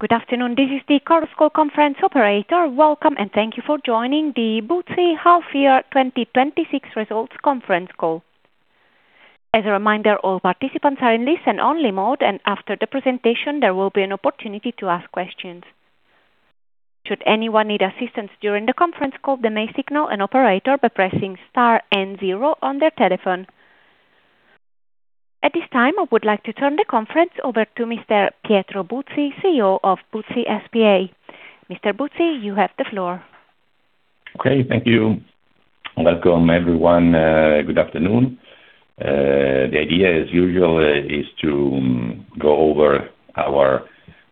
Good afternoon, this is the Chorus Call conference operator. Welcome, and thank you for joining the Buzzi half year 2026 results conference call. As a reminder, all participants are in listen only mode, and after the presentation, there will be an opportunity to ask questions. Should anyone need assistance during the conference call, they may signal an operator by pressing star and zero on their telephone. At this time, I would like to turn the conference over to Mr. Pietro Buzzi, CEO of Buzzi S.p.A. Mr. Buzzi, you have the floor. Okay, thank you. Welcome, everyone. Good afternoon. The idea as usual, is to go over our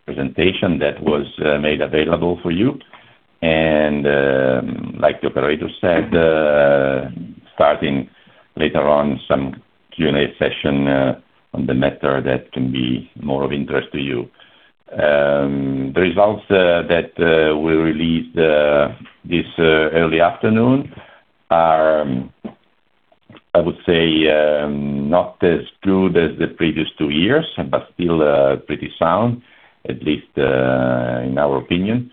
presentation that was made available for you. Like the operator said, starting later on some Q&A session on the matter that can be more of interest to you. The results that we released this early afternoon are, I would say, not as good as the previous two years, but still pretty sound, at least, in our opinion.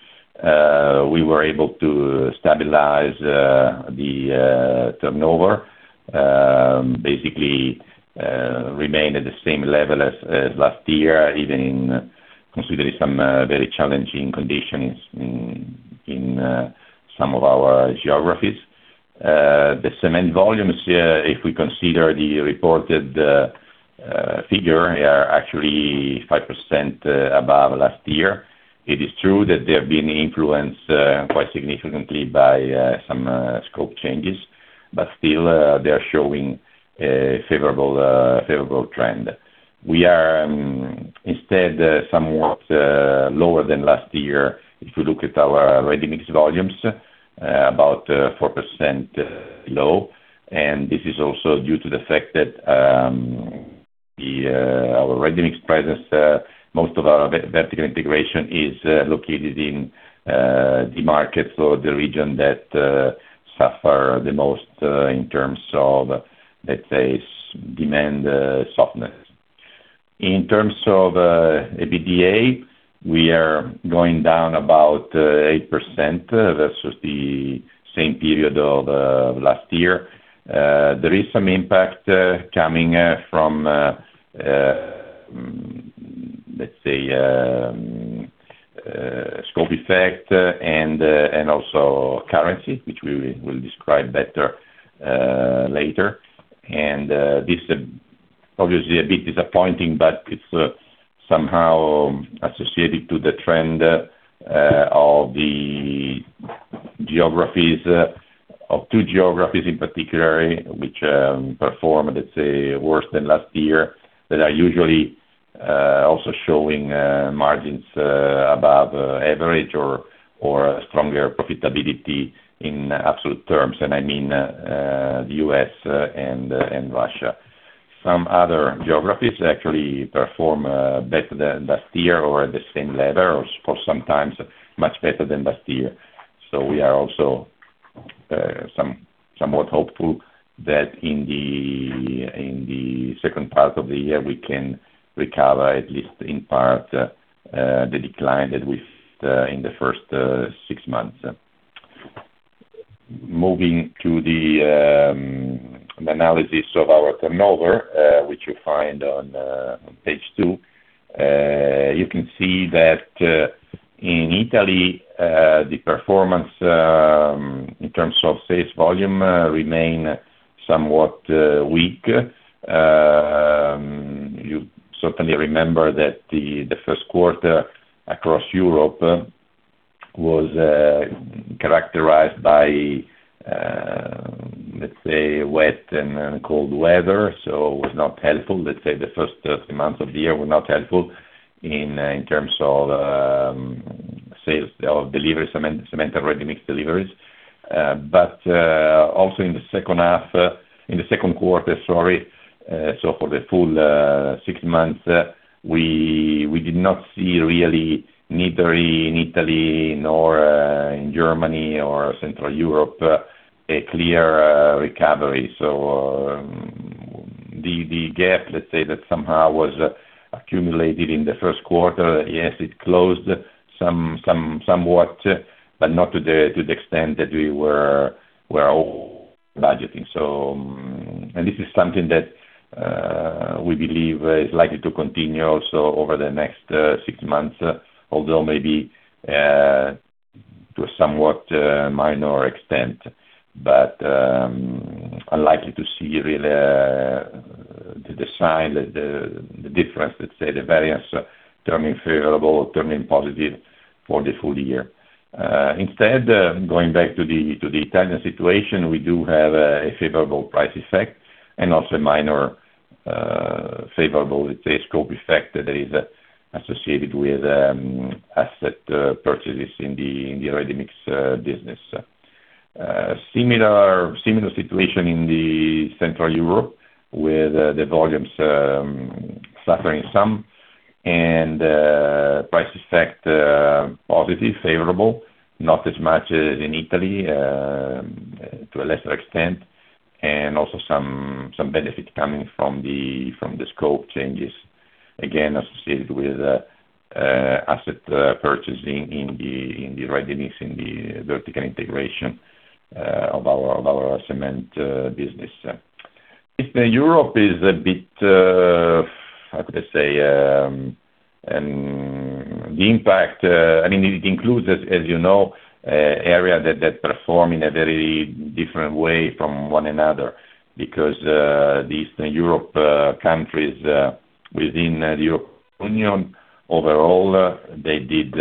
We were able to stabilize the turnover. Basically, remained at the same level as last year, even considering some very challenging conditions in some of our geographies. The cement volumes, if we consider the reported figure, are actually 5% above last year. It is true that they have been influenced quite significantly by some scope changes, but still they are showing a favorable trend. We are instead somewhat lower than last year if you look at our ready-mix volumes, about 4% low. This is also due to the fact that our ready-mix presence, most of our vertical integration is located in the markets or the region that suffer the most in terms of, let's say, demand softness. In terms of EBITDA, we are going down about 8% versus the same period of last year. There is some impact coming from, let's say, scope effect and also currency, which we will describe better later. This obviously a bit disappointing, but it's somehow associated to the trend of two geographies in particular, which perform, let's say, worse than last year, that are usually also showing margins above average or stronger profitability in absolute terms. I mean, the U.S. and Russia. Some other geographies actually perform better than last year or at the same level, or for sometimes much better than last year. We are also somewhat hopeful that in the second part of the year, we can recover, at least in part, the decline that with in the first six months. Moving to the analysis of our turnover, which you find on page two. You can see that in Italy, the performance in terms of sales volume remain somewhat weak. You certainly remember that the first quarter across Europe was characterized by, let's say, wet and cold weather, so was not helpful. Let's say the first three months of the year were not helpful in terms of cement and ready-mix deliveries. Also in the second quarter, for the full six months, we did not see really neither in Italy nor in Germany or Central Europe, a clear recovery. The gap, let's say that somehow was accumulated in the first quarter. Yes, it closed somewhat, but not to the extent that we were all budgeting. This is something that we believe is likely to continue also over the next six months, although maybe to a somewhat minor extent. Unlikely to see really the sign, the difference, let's say, the variance turning favorable or turning positive for the full-year. Going back to the Italian situation, we do have a favorable price effect and also a minor favorable, let's say, scope effect that is associated with asset purchases in the ready-mix business. Similar situation in the Central Europe with the volumes suffering some, price effect positive, favorable, not as much as in Italy, to a lesser extent. Also some benefit coming from the scope changes, again, associated with asset purchasing in the ready-mix, in the vertical integration of our cement business. Eastern Europe is a bit, the impact, it includes, as you know, area that perform in a very different way from one another, because the Eastern Europe countries within the European Union, overall, they did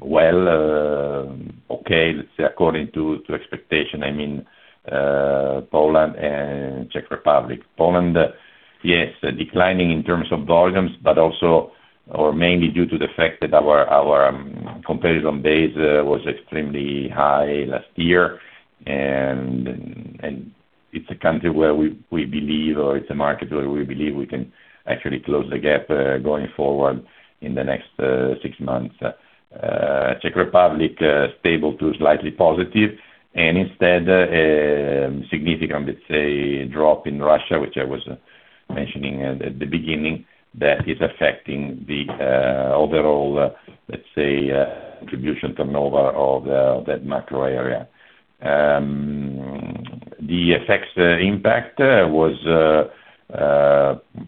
well, okay, let's say, according to expectation. I mean, Poland and Czech Republic. Poland, yes, declining in terms of volumes, but also, or mainly due to the fact that our comparison base was extremely high last year. It's a country where we believe, or it's a market where we believe we can actually close the gap, going forward in the next six months. Czech Republic, stable to slightly positive, and instead, a significant, let's say, drop in Russia, which I was mentioning at the beginning, that is affecting the overall, let's say, contribution turnover of that macro area. The effects impact was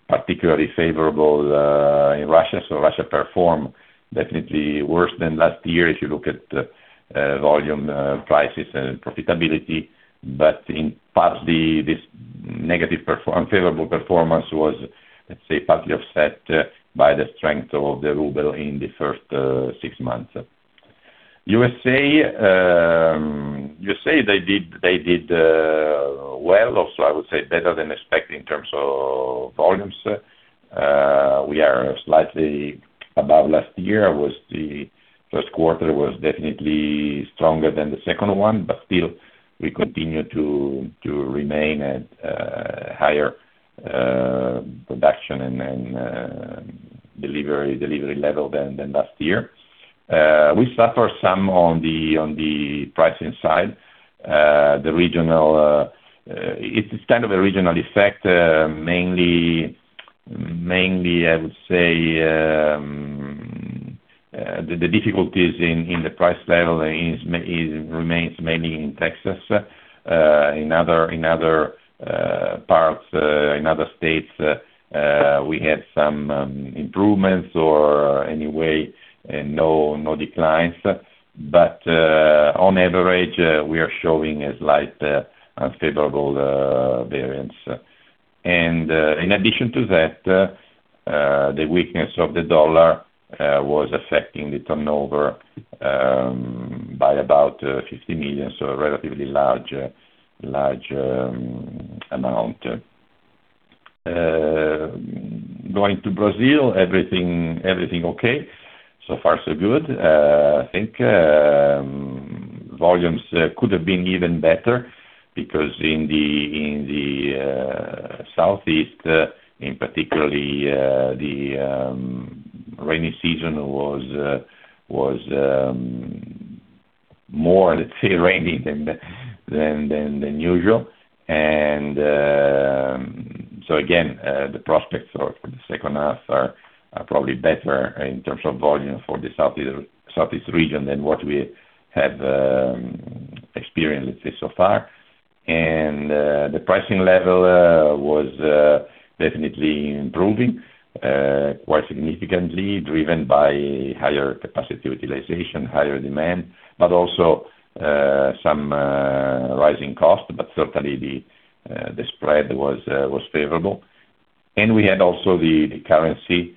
particularly favorable in Russia. Russia performed definitely worse than last year, if you look at volume, prices, and profitability. In part, this unfavorable performance was, let's say, partly offset by the strength of the ruble in the first six months. U.S.A., they did well, also, I would say, better than expected in terms of volumes. We are slightly above last year. The first quarter was definitely stronger than the second one. Still, we continue to remain at higher production and delivery level than last year. We suffer some on the pricing side. It's kind of a regional effect. Mainly, I would say, the difficulties in the price level remains mainly in Texas. In other parts, in other states, we had some improvements or, anyway, no declines. On average, we are showing a slight unfavorable variance. In addition to that, the weakness of the dollar was affecting the turnover by about 50 million. A relatively large amount. Going to Brazil, everything okay. So far, so good. I think volumes could have been even better because in the Southeast, in particularly, the rainy season was more, let's say, rainy than usual. Again, the prospects for the second half are probably better in terms of volume for the Southeast region than what we have experienced so far. The pricing level was definitely improving quite significantly, driven by higher capacity utilization, higher demand, but also some rising cost. Certainly, the spread was favorable. We had also the currency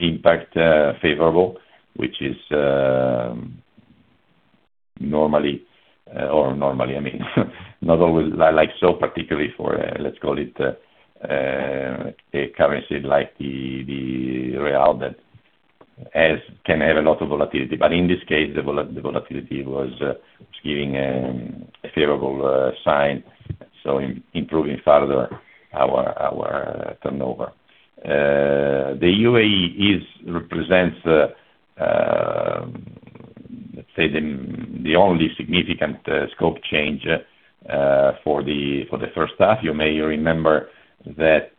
impact favorable, which is normally, or normally, not always like so particularly for, let's call it, a currency like the real that can have a lot of volatility. But in this case, the volatility was giving a favorable sign, so improving further our turnover. The UAE represents, let's say, the only significant scope change for the first half. You may remember that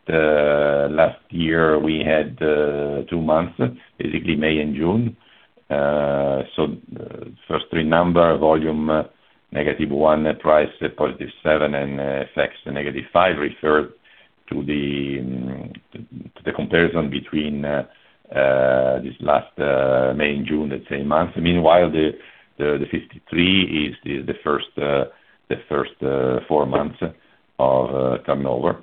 last year we had two months, basically May and June. So the first three number volume, -1%, price, +7, and FX, -5%, refer to the comparison between this last May and June, let's say, months. Meanwhile, the 53% is the first four months of turnover.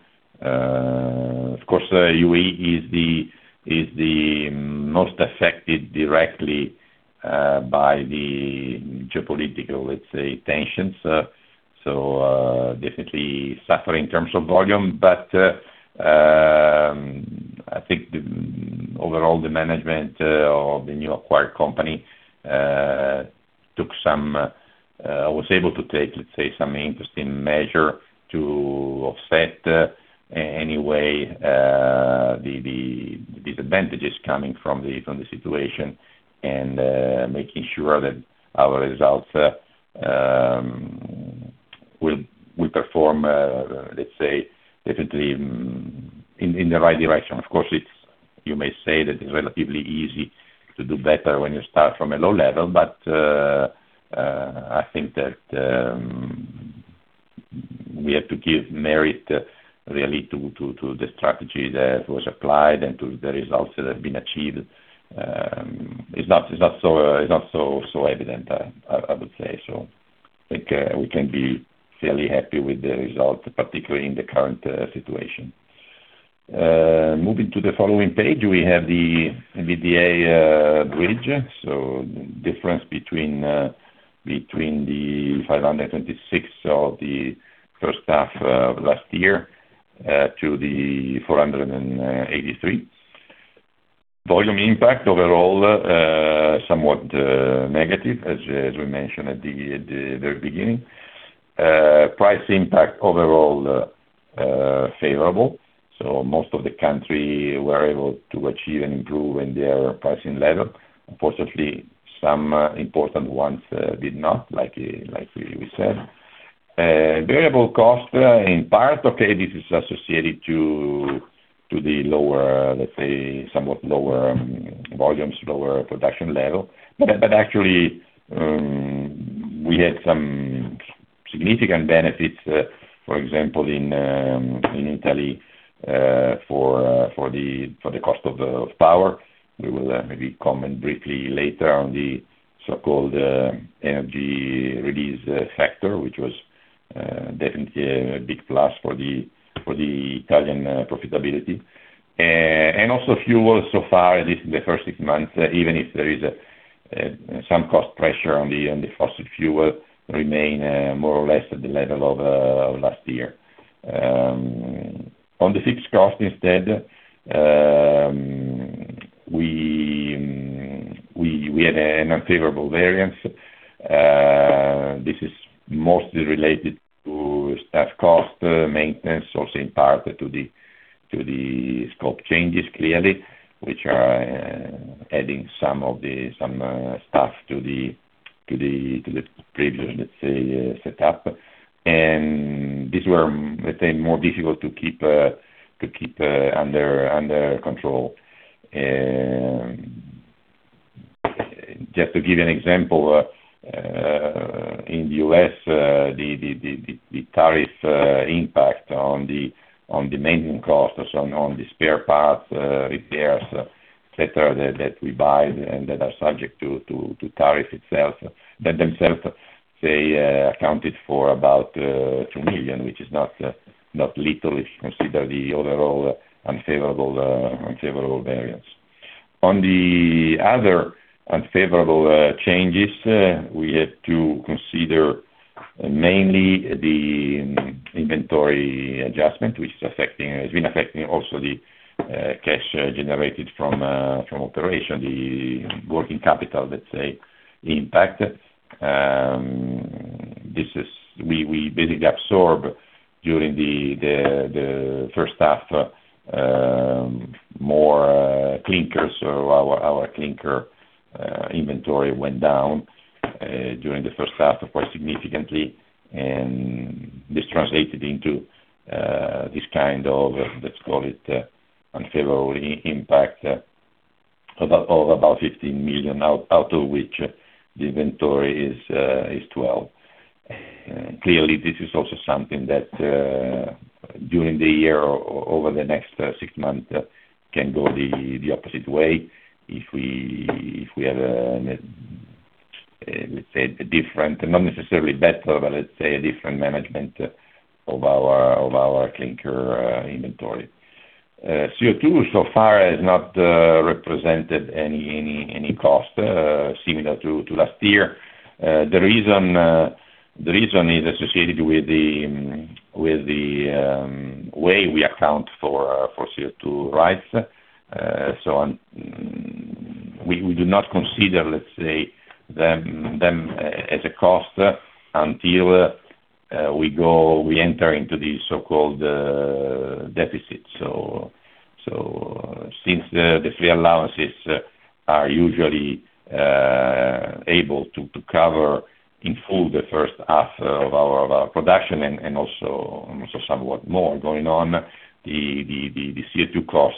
UAE is the most affected directly by the geopolitical, let's say, tensions. So definitely suffer in terms of volume. But, I think, overall, the management of the new acquired company took some, was able to take, let's say, some interesting measure to offset anyway the disadvantages coming from the situation and making sure that our results will perform, let's say, definitely in the right direction. Of course, you may say that it's relatively easy to do better when you start from a low level. But, I think that we have to give merit really to the strategy that was applied and to the results that have been achieved. It's not so evident, I would say. So, I think we can be fairly happy with the results, particularly in the current situation. Moving to the following page, we have the EBITDA bridge, so the difference between the 526 million of the first half of last year to the 483 million. Volume impact overall, somewhat negative, as we mentioned at the very beginning. Price impact overall, favorable. Most of the country were able to achieve and improve in their pricing level. Unfortunately, some important ones did not, like we said. Variable cost in part, okay, this is associated to the somewhat lower volumes, lower production level. But actually, we had some significant benefits, for example, in Italy, for the cost of power. We will maybe comment briefly later on the so-called Energy Release factor, which was definitely a big plus for the Italian profitability. Also fuel so far, at least in the first six months, even if there is some cost pressure on the fossil fuel remain more or less at the level of last year. On the fixed cost instead, we had an unfavorable variance. This is mostly related to staff cost, maintenance, also in part to the scope changes clearly, which are adding some staff to the previous, let's say, setup. These were, let's say, more difficult to keep under control. Just to give you an example, in the U.S., the tariff impact on the maintenance cost, on the spare parts, repairs, etc, that we buy and that are subject to tariff itself, that themselves, say, accounted for about 2 million, which is not little if you consider the overall unfavorable variance. On the other unfavorable changes, we have to consider mainly the inventory adjustment, which has been affecting also the cash generated from operation, the working capital, let's say, impact. We basically absorb during the first half, more clinker. Our clinker inventory went down during the first half quite significantly, and this translated into this kind of, let's call it unfavorable impact of about 15 million, out of which the inventory is 12 million. Clearly, this is also something that during the year or over the next six months can go the opposite way if we have, let's say, a different, not necessarily better, but let's say a different management of our clinker inventory. CO2 so far has not represented any cost similar to last year. The reason is associated with the way we account for CO2 rights. We do not consider, let's say, them as a cost until we enter into the so-called deficit. Since the free allowances are usually able to cover in full the first half of our production and also somewhat more going on, the CO2 cost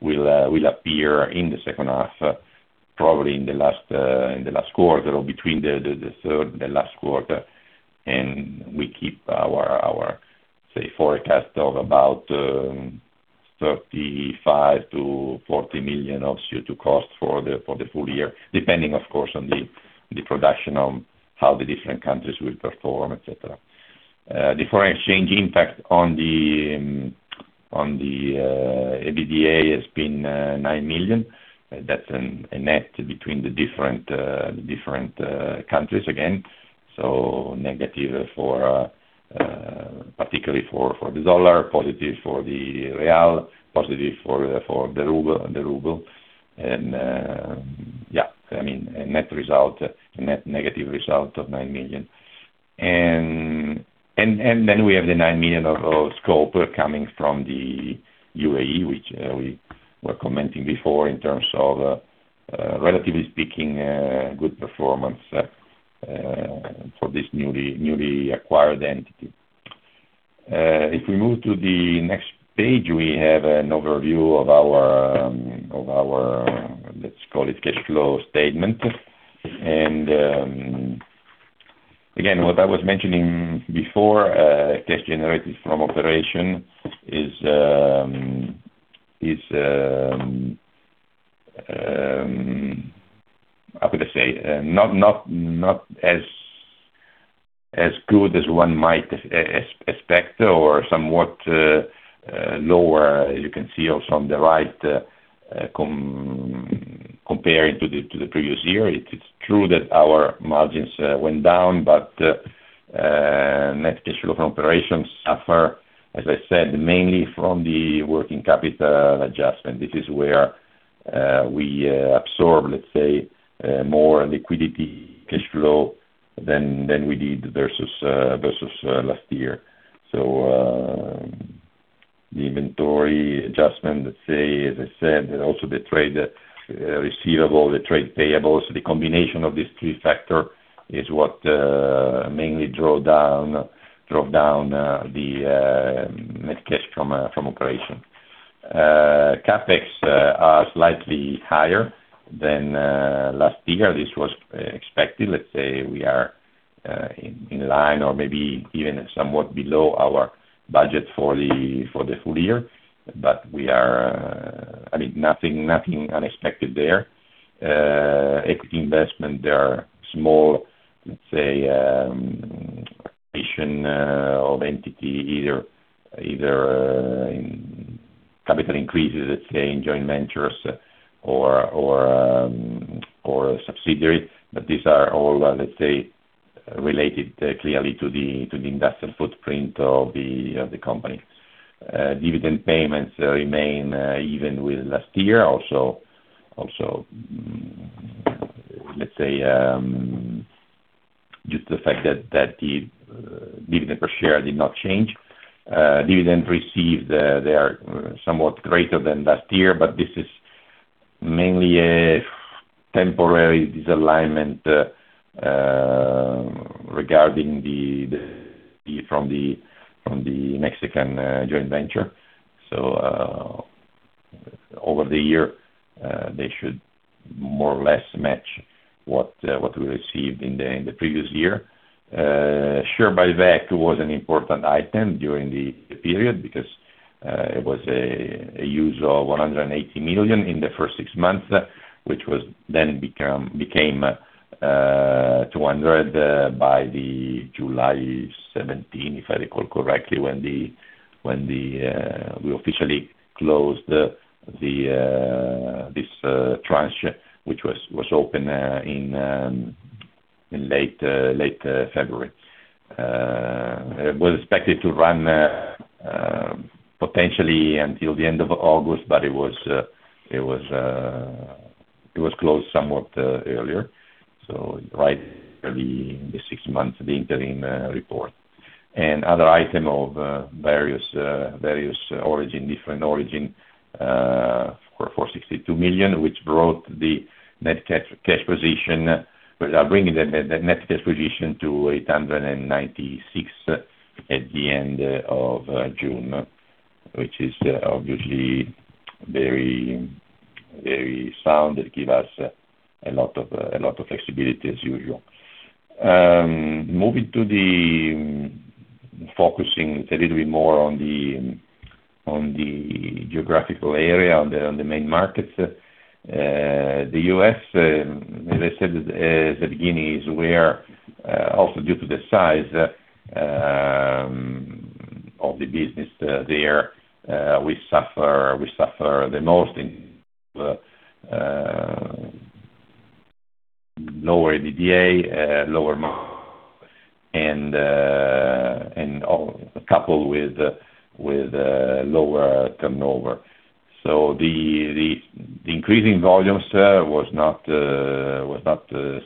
will appear in the second half, probably in the last quarter or between the last quarter. We keep our, say, forecast of about 35 million-40 million of CO2 cost for the full-year, depending of course, on the production on how the different countries will perform, etc. Different exchange impact on the EBITDA has been 9 million. That's a net between the different countries again. Negative for, particularly for the dollar, positive for the real, positive for the ruble. A net negative result of 9 million. We have the 9 million of scope coming from the UAE, which we were commenting before in terms of, relatively speaking, good performance for this newly acquired entity. If we move to the next page, we have an overview of our, let's call it cash flow statement. What I was mentioning before, cash generated from operation is, how could I say? Not as good as one might expect or somewhat lower. You can see also on the right, comparing to the previous year. It's true that our margins went down, but net cash flow from operations suffer, as I said, mainly from the working capital adjustment. This is where we absorb, let's say, more liquidity cash flow than we did versus last year. The inventory adjustment, let's say, as I said, and also the trade receivables, the trade payables. The combination of these three factor is what mainly drove down the net cash from operation. CapEx are slightly higher than last year. This was expected. Let's say we are in line or maybe even somewhat below our budget for the full-year. Nothing unexpected there. Equity investment, they are small, let's say, of entity either in capital increases, let's say, in joint ventures or subsidiaries. These are all, let's say, related clearly to the industrial footprint of the company. Dividend payments remain even with last year. Also, let's say, just the fact that the dividend per share did not change. Dividend received, they are somewhat greater than last year, but this is mainly a temporary disalignment regarding the from the Mexican joint venture. Over the year, they should more or less match what we received in the previous year. Share buyback was an important item during the period because it was a use of 180 million in the first six months, which then became 200 by July 17th, if I recall correctly, when we officially closed this tranche, which was open in late February. It was expected to run potentially until the end of August, but it was closed somewhat earlier. Right early in the six months of the interim report. Other item of various origin, different origin, for 462 million, which brought the net cash position, bringing the net cash position to 896 million at the end of June, which is obviously very sound and give us a lot of flexibility as usual. Focusing a little bit more on the geographical area, on the main markets. The U.S., as I said at the beginning, is where, also due to the size of the business there, we suffer the most in lower EBITDA, lower and coupled with lower turnover. The increasing volumes there was not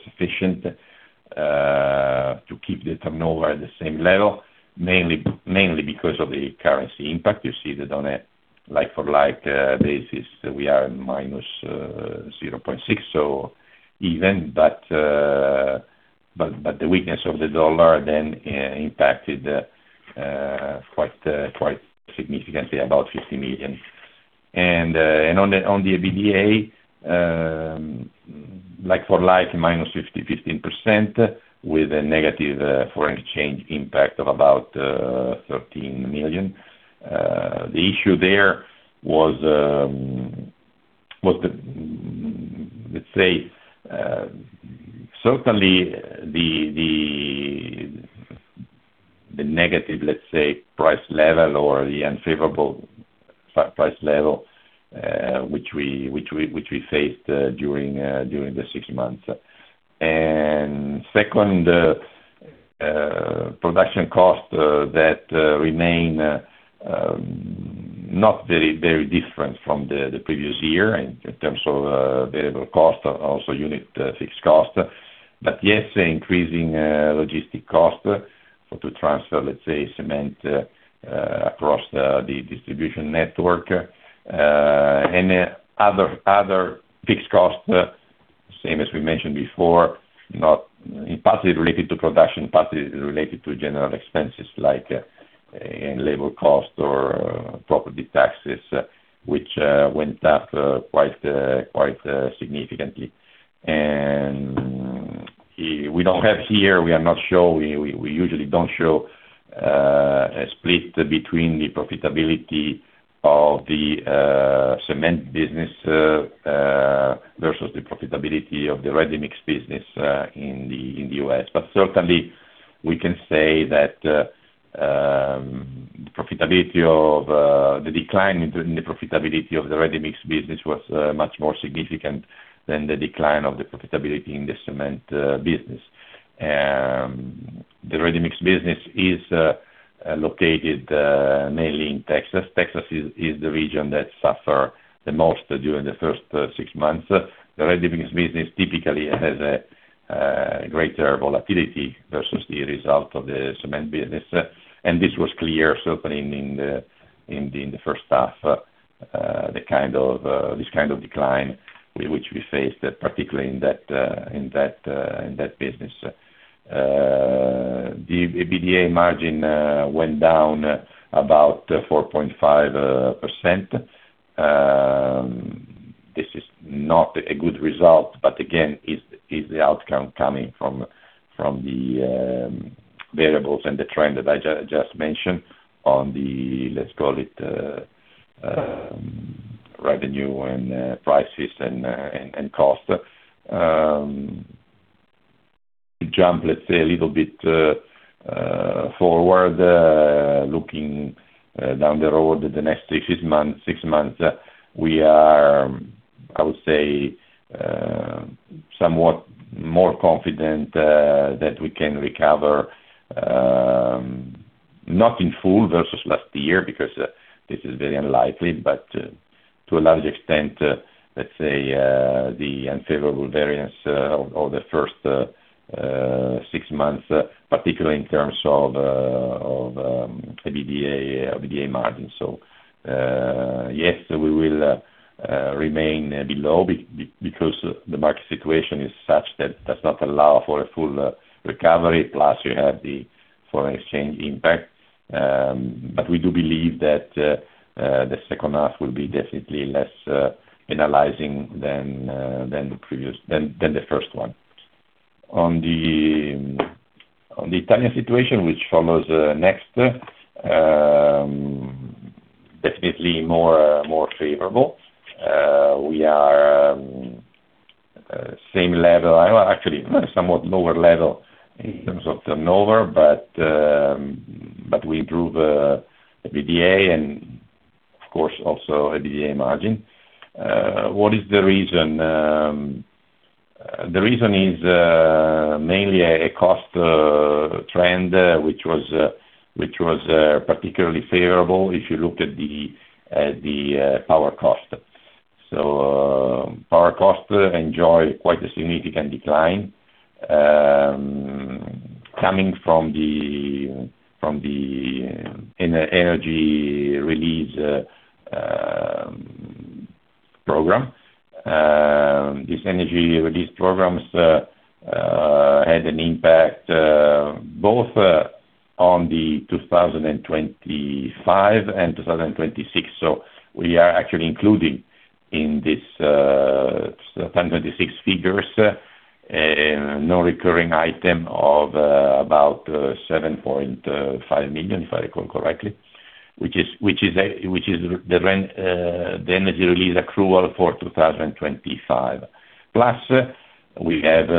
sufficient to keep the turnover at the same level, mainly because of the currency impact. You see that on a like for like basis, we are -0.6%. Even, but the weakness of the dollar then impacted quite significantly, about 50 million. On the EBITDA, like for like, -15% with a negative foreign exchange impact of about 13 million. The issue there was, let's say, certainly the negative price level or the unfavorable price level, which we faced during the six months. Second, production costs that remain not very different from the previous year in terms of variable cost, also unit fixed cost. Yes, increasing logistic cost to transfer, let's say, cement across the distribution network, and other fixed costs, same as we mentioned before, partly related to production, partly related to general expenses like labor cost or property taxes, which went up quite significantly. We don't have here, we are not showing, we usually don't show a split between the profitability of the cement business versus the profitability of the ready-mix business in the U.S. Certainly, we can say that the decline in the profitability of the ready-mix business was much more significant than the decline of the profitability in the cement business. The ready-mix business is located mainly in Texas. Texas is the region that suffer the most during the first six months. The ready-mix business typically has a greater volatility versus the result of the cement business, this was clear certainly in the first half, this kind of decline which we faced, particularly in that business. The EBITDA margin went down about 4.5%. This is not a good result, again, it's the outcome coming from the variables and the trend that I just mentioned on the, let's call it, revenue and prices and cost. To jump, let's say, a little bit forward, looking down the road at the next six months, we are, I would say, somewhat more confident that we can recover, not in full versus last year, because this is very unlikely, but to a large extent, let's say, the unfavorable variance of the first six months, particularly in terms of EBITDA margin. Yes, we will remain below because the market situation is such that does not allow for a full recovery, plus you have the foreign exchange impact. We do believe that the second half will be definitely less challenging than the first one. On the Italian situation which follows next, definitely more favorable. We are same level, actually somewhat lower level in terms of turnover, but we improved EBITDA and of course also EBITDA margin. What is the reason? The reason is mainly a cost trend, which was particularly favorable if you looked at the power cost. Power cost enjoy quite a significant decline, coming from the Energy Release program. This Energy Release programs had an impact both on the 2025 and 2026. We are actually including in this 2026 figures, a non-recurring item of about 7.5 million, if I recall correctly, which is the Energy Release accrual for 2025. Plus, we have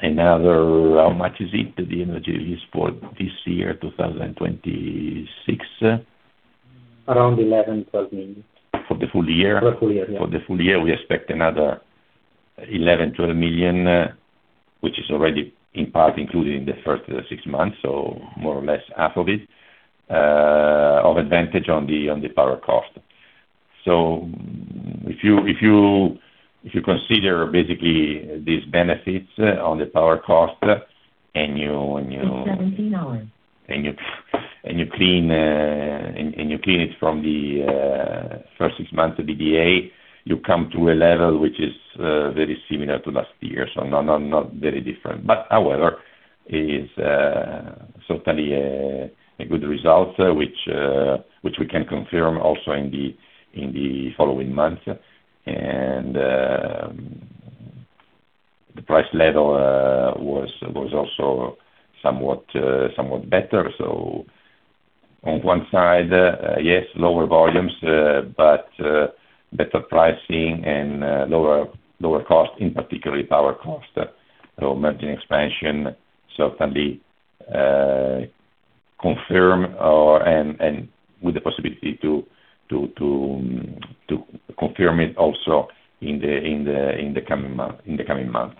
another, how much is it, the Energy Release for this year, 2026? Around 11 million-12 million. For the full-year? For the full-year, yeah. For the full-year, we expect another 11 million-12 million, which is already in part included in the first six months, so more or less half of it, of advantage on the power cost. If you consider basically these benefits on the power cost and you clean it from the first six months EBITDA, you come to a level which is very similar to last year. Not very different. However, it is certainly a good result, which we can confirm also in the following months. The price level was also somewhat better. On one side, yes, lower volumes, but better pricing and lower cost, in particularly power cost. Margin expansion certainly confirm, and with the possibility to confirm it also in the coming month.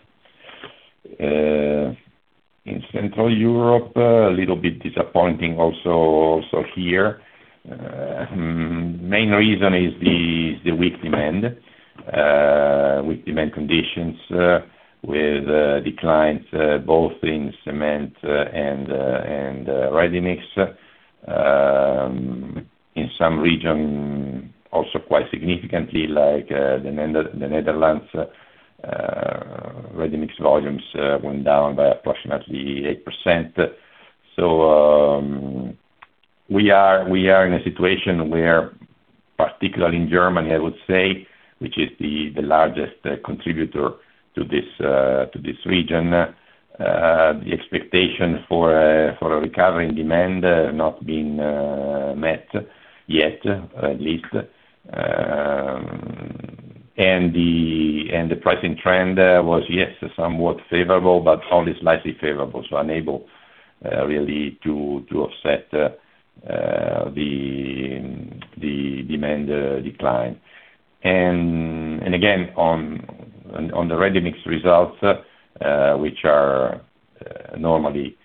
In Central Europe, a little bit disappointing also here. Main reason is the weak demand conditions with declines both in cement and ready-mix. In some region, also quite significantly, like the Netherlands, ready-mix volumes went down by approximately 8%. We are in a situation where, particularly in Germany, I would say, which is the largest contributor to this region. The expectation for a recovery in demand not been met yet, at least. The pricing trend was yes, somewhat favorable, but only slightly favorable, so unable really to offset the demand decline. Again, on the ready-mix results, which are normally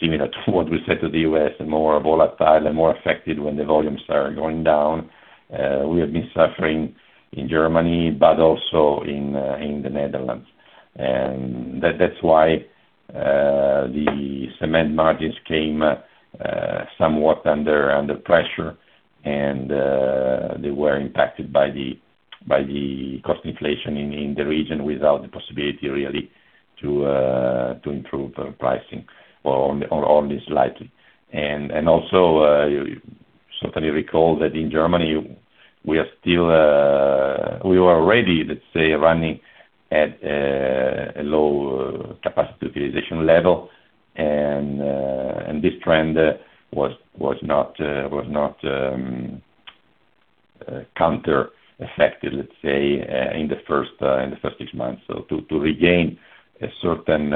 similar to what we said to the U.S., more volatile and more affected when the volumes are going down. We have been suffering in Germany, but also in the Netherlands. That's why the cement margins came somewhat under pressure, and they were impacted by the cost inflation in the region without the possibility really to improve pricing, or only slightly. Also, you certainly recall that in Germany, we were already, let's say, running at a low capacity utilization level, and this trend was not counter-effective, let's say, in the first six months. To regain a certain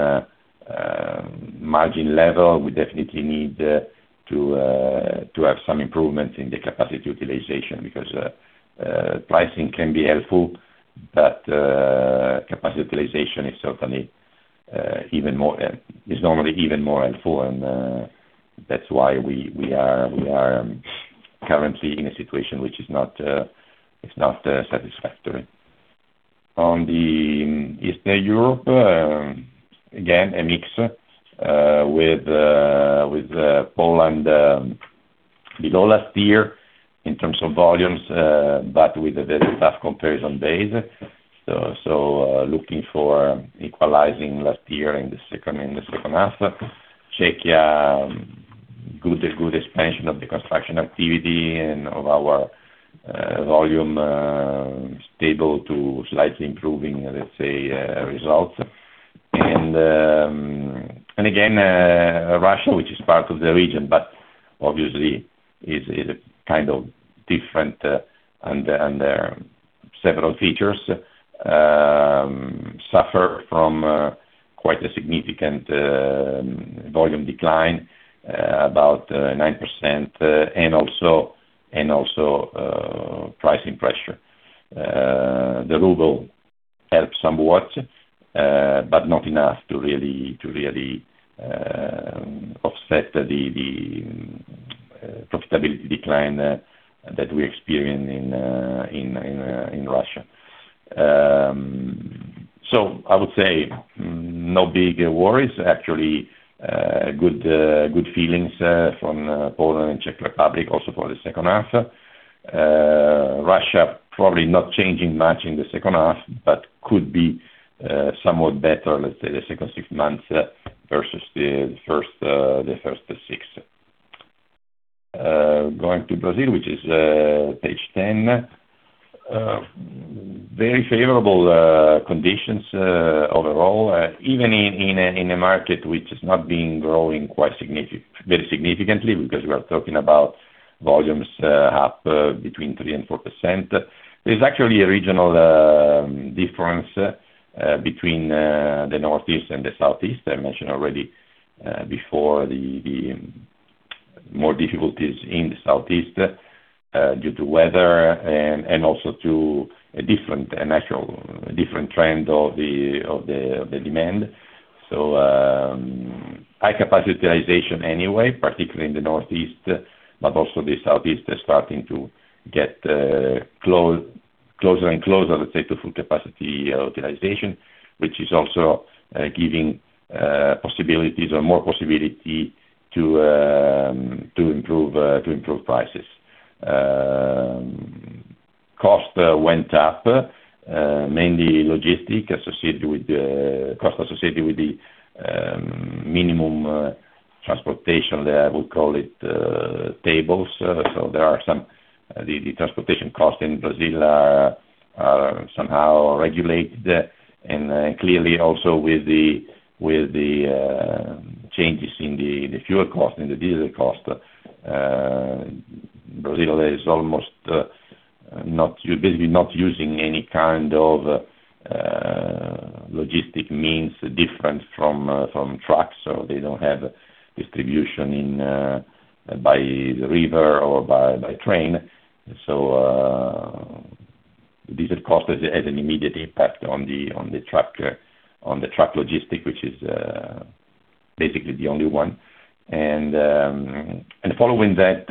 margin level, we definitely need to have some improvements in the capacity utilization, because pricing can be helpful, but capacity utilization is normally even more helpful. That's why we are currently in a situation which is not satisfactory. On the Eastern Europe, again, a mix with Poland below last year in terms of volumes, but with a very tough comparison base. Looking for equalizing last year in H2. Czech, good expansion of the construction activity and of our volume, stable to slightly improving, let's say, results. Again, Russia, which is part of the region, obviously is kind of different under several features, suffer from quite a significant volume decline, about 9%, and also pricing pressure. The ruble helped somewhat, but not enough to really offset the profitability decline that we experience in Russia. I would say no big worries, actually, good feelings from Poland and Czech Republic also for H2. Russia probably not changing much in H2, could be somewhat better, let's say, the second six months versus the first six. Going to Brazil, which is page 10. Very favorable conditions overall, even in a market which is not being growing very significantly because we are talking about volumes up between 3% and 4%. There is actually a regional difference between the Northeast and the Southeast. I mentioned already before the more difficulties in the Southeast due to weather and also to a different trend of the demand. High capacity utilization anyway, particularly in the Northeast, but also the Southeast is starting to get closer and closer, let's say, to full capacity utilization, which is also giving more possibility to improve prices. Cost went up, mainly cost associated with the minimum transportation, I would call it, tables. Clearly also with the changes in the fuel cost, in the diesel cost. Brazil is almost basically not using any kind of logistics means different from trucks. They don't have distribution by the river or by train. Diesel cost has an immediate impact on the truck logistics, which is basically the only one. Following that,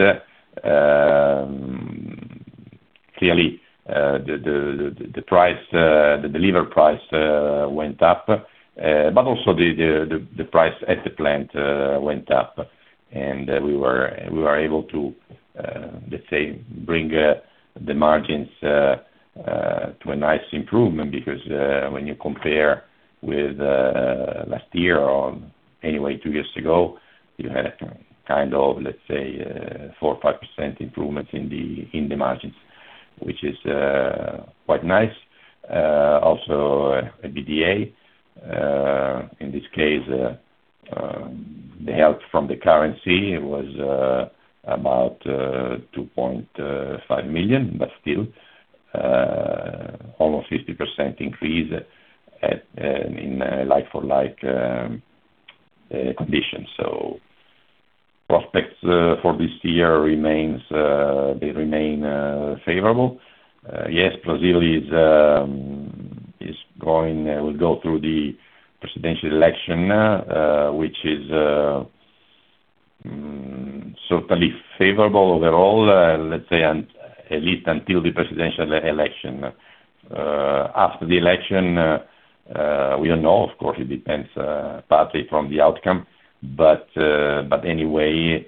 clearly, the delivered price went up. Also the price at the plant went up, and we were able to, let's say, bring the margins to a nice improvement. Because when you compare with last year, or anyway two years ago, you had kind of, let's say, 4% or 5% improvements in the margins, which is quite nice. Also, EBITDA, in this case, the help from the currency was about 2.5 million, but still almost 50% increase in like for like conditions. Prospects for this year remain favorable. Yes, Brazil will go through the presidential election, which is certainly favorable overall, let's say, at least until the presidential election. After the election, we don't know. Of course, it depends partly from the outcome. Anyway,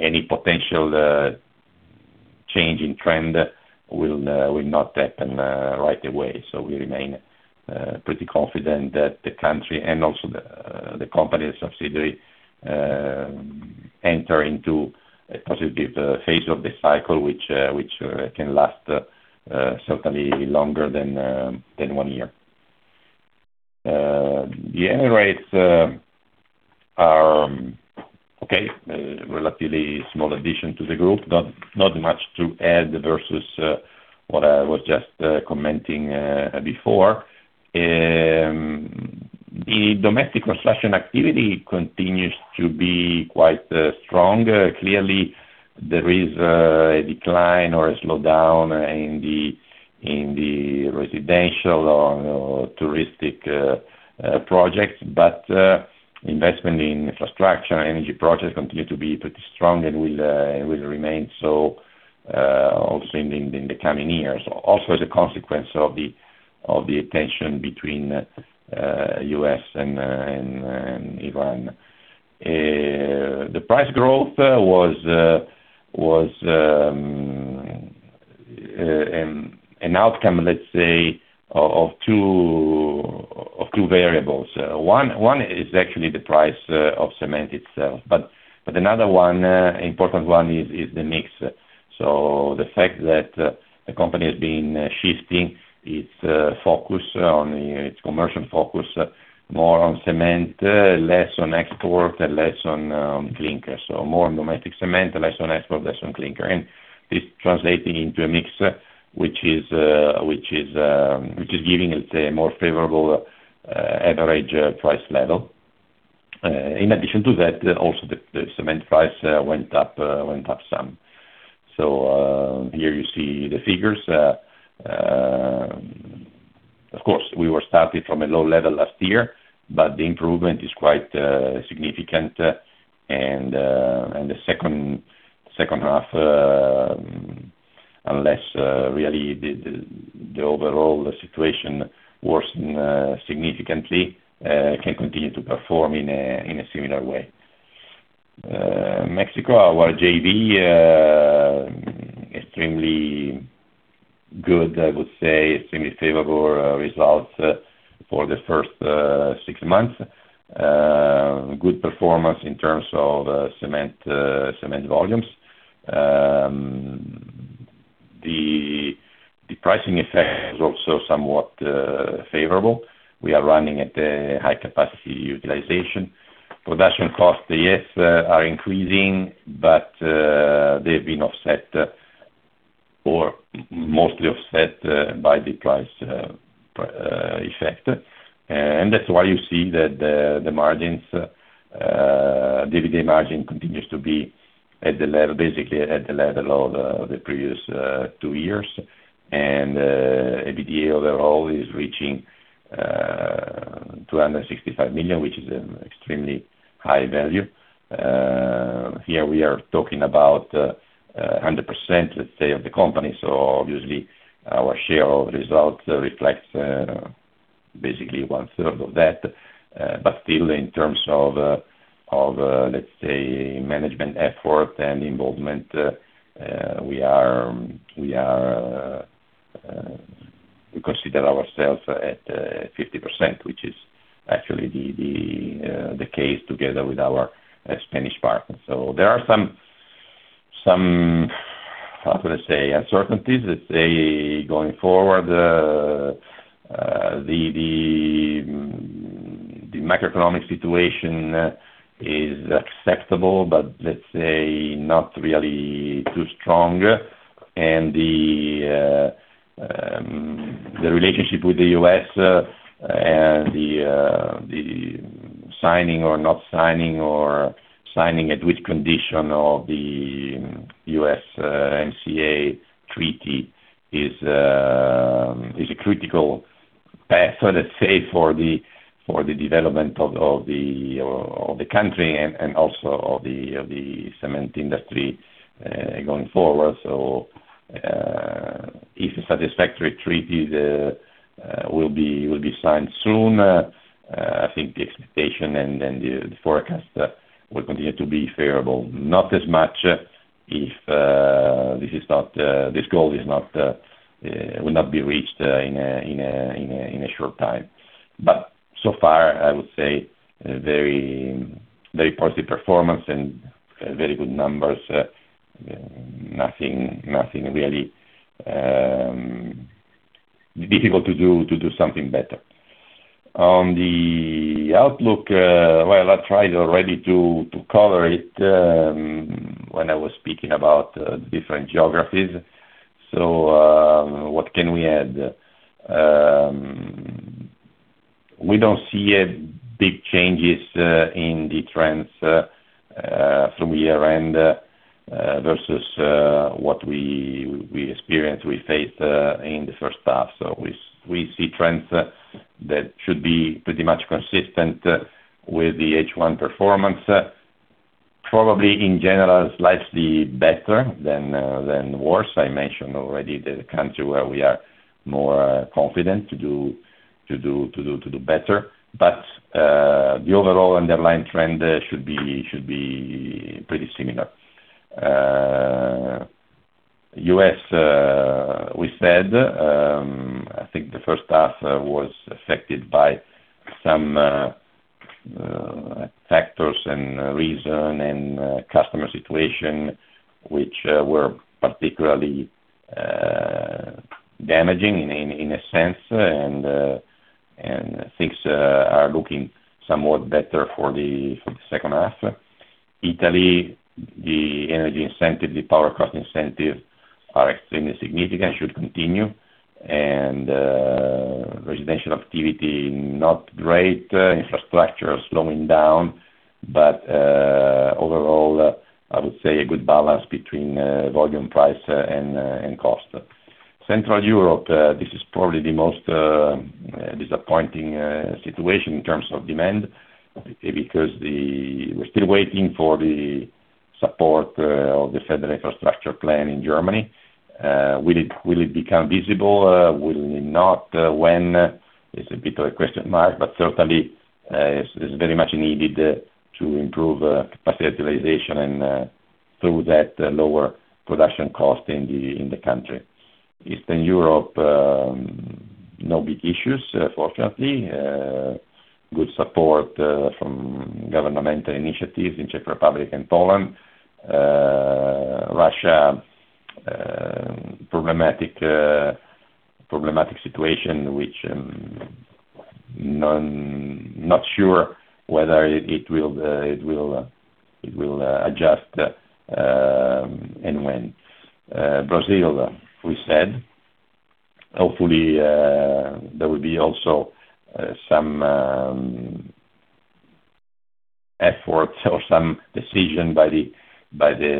any potential change in trend will not happen right away. We remain pretty confident that the country and also the company subsidiary enter into a positive phase of the cycle, which can last certainly longer than one year. The annual rates are okay. A relatively small addition to the group. Not much to add versus what I was just commenting before. The domestic construction activity continues to be quite strong. Clearly, there is a decline or a slowdown in the residential or touristic projects. Investment in infrastructure and energy projects continue to be pretty strong and will remain so also in the coming years. Also as a consequence of the tension between U.S. and Iran. The price growth was an outcome, let's say, of two variables. One is actually the price of cement itself, but another important one is the mix. The fact that the company has been shifting its commercial focus more on cement, less on export, and less on clinker. More on domestic cement, less on export, less on clinker. This translating into a mix, which is giving, let's say, a more favorable average price level. In addition to that, also, the cement price went up some. Here you see the figures. Of course, we were starting from a low level last year, but the improvement is quite significant. The second half, unless really the overall situation worsen significantly, can continue to perform in a similar way. Mexico, our JV, extremely good, I would say, extremely favorable results for the first six months. Good performance in terms of cement volumes. The pricing effect is also somewhat favorable. We are running at a high capacity utilization. Production costs, yes, are increasing, but they've been offset or mostly offset by the price effect. That's why you see that the EBITDA margin continues to be basically at the level of the previous two years. EBITDA overall is reaching 265 million, which is an extremely high value. Here we are talking about 100%, let's say, of the company. Obviously our share of results reflects basically one third of that. Still in terms of, let's say, management effort and involvement, we consider ourselves at 50%, which is actually the case together with our Spanish partners. There are some, how can I say, uncertainties, let's say, going forward. The macroeconomic situation is acceptable, but let's say not really too strong, and the relationship with the U.S. and the signing or not signing, or signing it with condition of the USMCA Treaty is a critical path, let's say, for the development of the country, and also of the cement industry going forward. If a satisfactory treaty will be signed soon, I think the expectation and the forecast will continue to be favorable. Not as much if this goal will not be reached in a short time. So far, I would say very positive performance and very good numbers. Nothing really difficult to do something better. On the outlook, well, I tried already to color it when I was speaking about different geographies. What can we add? We don't see a big changes in the trends from year-end versus what we experience, we face in the first half. We see trends that should be pretty much consistent with the H1 performance. Probably, in general, slightly better than worse. I mentioned already the country where we are more confident to do better, but the overall underlying trend should be pretty similar. U.S., we said, I think the first half was affected by some factors and reason, and customer situation, which were particularly damaging in a sense, and things are looking somewhat better for the second half. Italy, the energy incentive, the power cost incentive are extremely significant, should continue. Residential activity, not great. Infrastructure, slowing down. Overall, I would say a good balance between volume, price, and cost. Central Europe, this is probably the most disappointing situation in terms of demand, because we're still waiting for the support of the federal infrastructure plan in Germany. Will it become visible? Will it not? When? It's a bit of a question mark, but certainly it's very much needed to improve capacity utilization and through that lower production cost in the country. Eastern Europe, no big issues, fortunately. Good support from governmental initiatives in Czech Republic and Poland. Russia, problematic situation, which I'm not sure whether it will adjust, and when. Brazil, we said, hopefully there will be also some efforts or some decision by the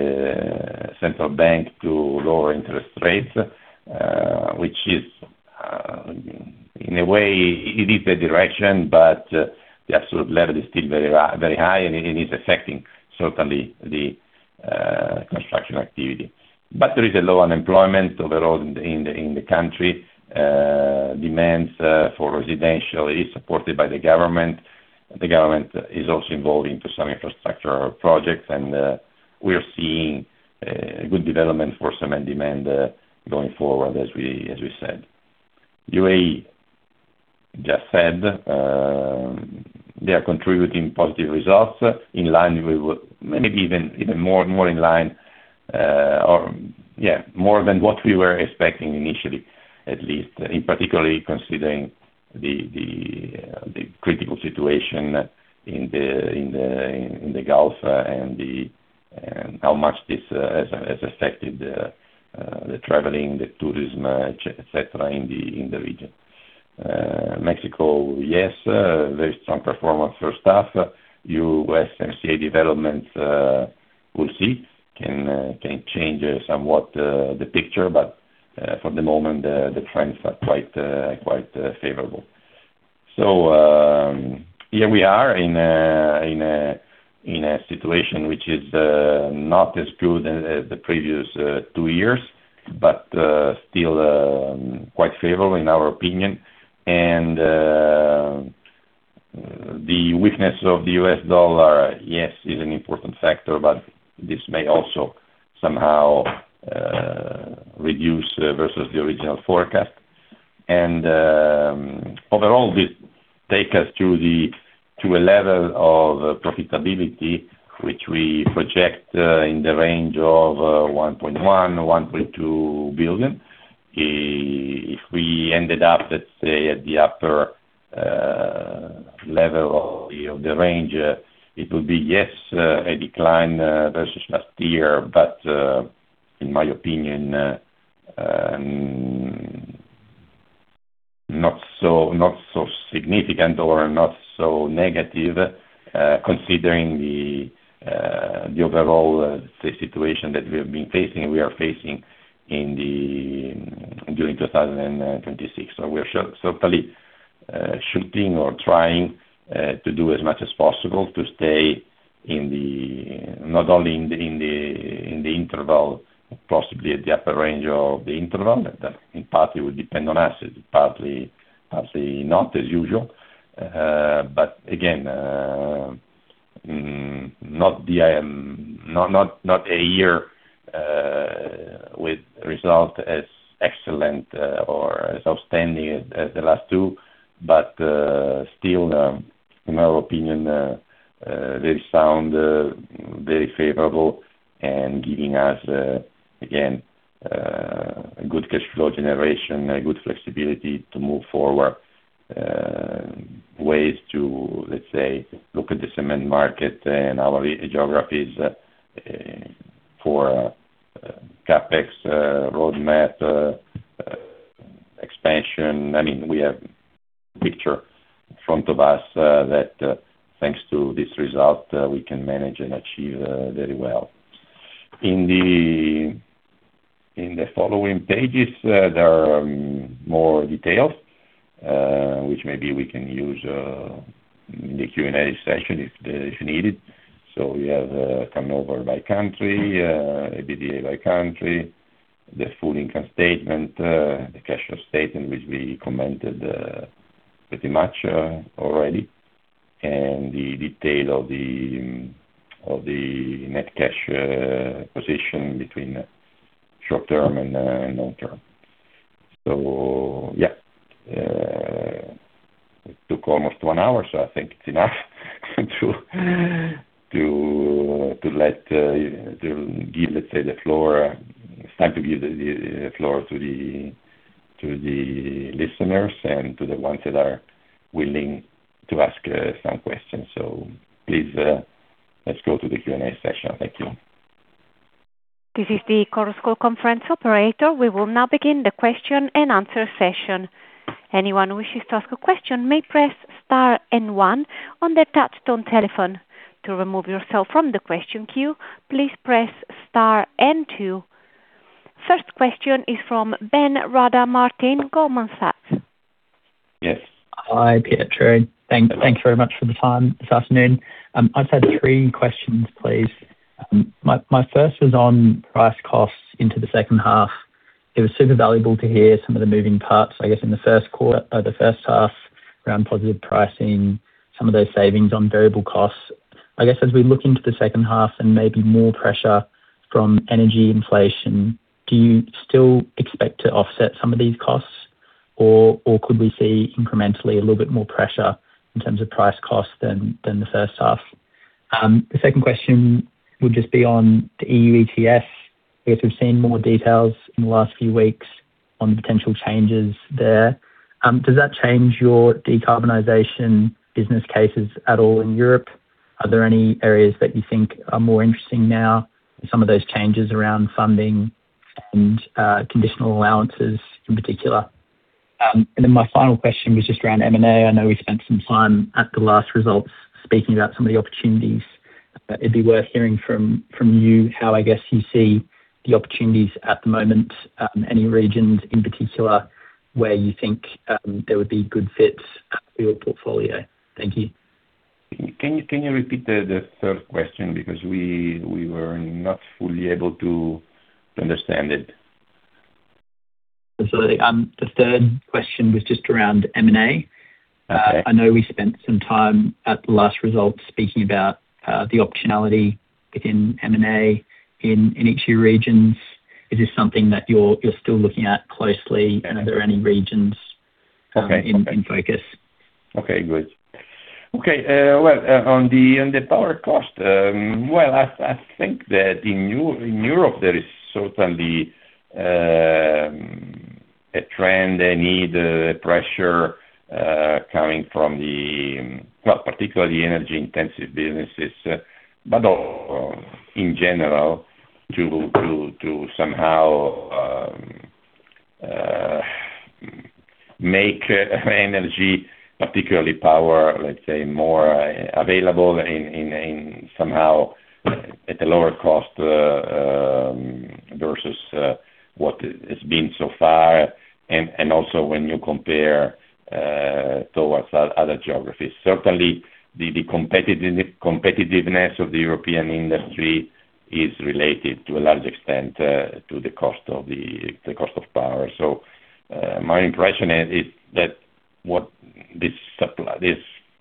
central bank to lower interest rates. Which is, in a way, it is the direction, but the absolute level is still very high, and it is affecting certainly the construction activity. There is a low unemployment overall in the country. Demands for residential is supported by the government. The government is also involved into some infrastructure projects. We are seeing a good development for cement demand going forward, as we said. UAE, just said. They are contributing positive results maybe even more in line or more than what we were expecting initially, at least. Particularly considering the critical situation in the Gulf and how much this has affected the traveling, the tourism, etc, in the region. Mexico, yes, very strong performance first half. USMCA developments, we'll see. Can change somewhat the picture, but for the moment, the trends are quite favorable. Here we are in a situation which is not as good as the previous two years, but still quite favorable in our opinion. The weakness of the U.S. dollar, yes, is an important factor, but this may also somehow reduce versus the original forecast. Overall, this take us to a level of profitability which we project in the range of 1.1 billion-1.2 billion. If we ended up, let's say, at the upper level of the range, it will be, yes, a decline versus last year, but, in my opinion, not so significant or not so negative considering the overall situation that we have been facing, we are facing during 2026. We are certainly shooting or trying to do as much as possible to stay, not only in the interval, possibly at the upper range of the interval. That partly will depend on us, partly not, as usual. Again, not a year with results as excellent or as outstanding as the last two. Still, in our opinion, very sound, very favorable, and giving us, again, a good cash flow generation, a good flexibility to move forward ways to, let's say, look at the cement market and our geographies for CapEx roadmap expansion. We have a picture in front of us that, thanks to this result, we can manage and achieve very well. In the following pages, there are more details, which maybe we can use in the Q&A session if needed. We have turnover by country, EBITDA by country, the full income statement, the cash flow statement, which we commented pretty much already, and the detail of the net cash position between short term and long term. It took almost one hour, so I think it's enough. It's time to give the floor to the listeners and to the ones that are willing to ask some questions. Please, let's go to the Q&A session. Thank you. This is the Chorus Call conference operator. We will now begin the question-and-answer session. Anyone who wishes to ask a question may press star and one on their touch-tone telephone. To remove yourself from the question queue, please press star and two. First question is from Ben Rada Martin, Goldman Sachs. Yes. Hi, Pietro. Thank you very much for the time this afternoon. I just had three questions, please. My first was on price costs into the second half. It was super valuable to hear some of the moving parts, I guess, in the first half around positive pricing, some of those savings on variable costs. I guess as we look into the second half and maybe more pressure from energy inflation, do you still expect to offset some of these costs, or could we see incrementally a little bit more pressure in terms of price cost than the first half? The second question would just be on the EU ETS. I guess we've seen more details in the last few weeks on the potential changes there. Does that change your decarbonization business cases at all in Europe? Are there any areas that you think are more interesting now with some of those changes around funding and conditional allowances in particular? Then my final question was just around M&A. I know we spent some time at the last results speaking about some of the opportunities. It'd be worth hearing from you how, I guess, you see the opportunities at the moment, any regions in particular where you think there would be good fits for your portfolio. Thank you. Can you repeat the third question? We were not fully able to understand it. The third question was just around M&A. Okay. I know we spent some time at the last results speaking about the optionality in M&A in each region. Is this something that you're still looking at closely? Are there any regions in focus? Okay, good. Well, on the power cost, I think that in Europe there is certainly a trend, a need, a pressure coming from the, well, particularly energy-intensive businesses, but in general, to somehow make energy, particularly power, let's say, more available somehow at a lower cost versus what it's been so far, and also when you compare towards other geographies. Certainly, the competitiveness of the European industry is related to a large extent to the cost of power. My impression is that what this supply,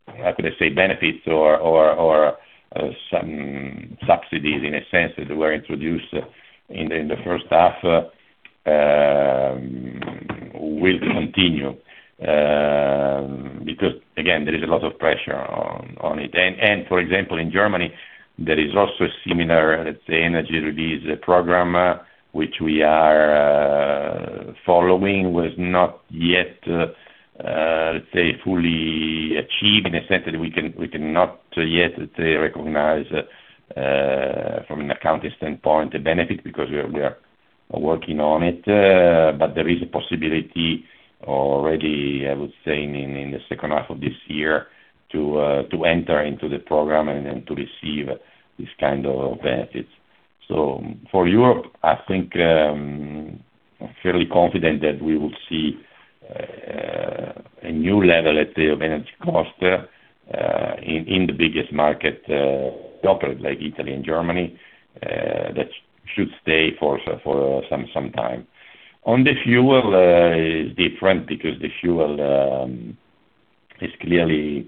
how could I say, benefits or some subsidies, in a sense, that were introduced in the first half will continue, because again, there is a lot of pressure on it. For example, in Germany, there is also a similar, let's say, Energy Release program, which we are following, was not yet, let's say, fully achieved in a sense that we cannot yet, let's say, recognize from an accounting standpoint, the benefit because we are working on it. There is a possibility already, I would say, in second half of this year to enter into the program and then to receive this kind of benefits. For Europe, I think I'm fairly confident that we will see a new level of energy cost in the biggest market operators like Italy and Germany, that should stay for some time. On the fuel, it's different because the fuel is clearly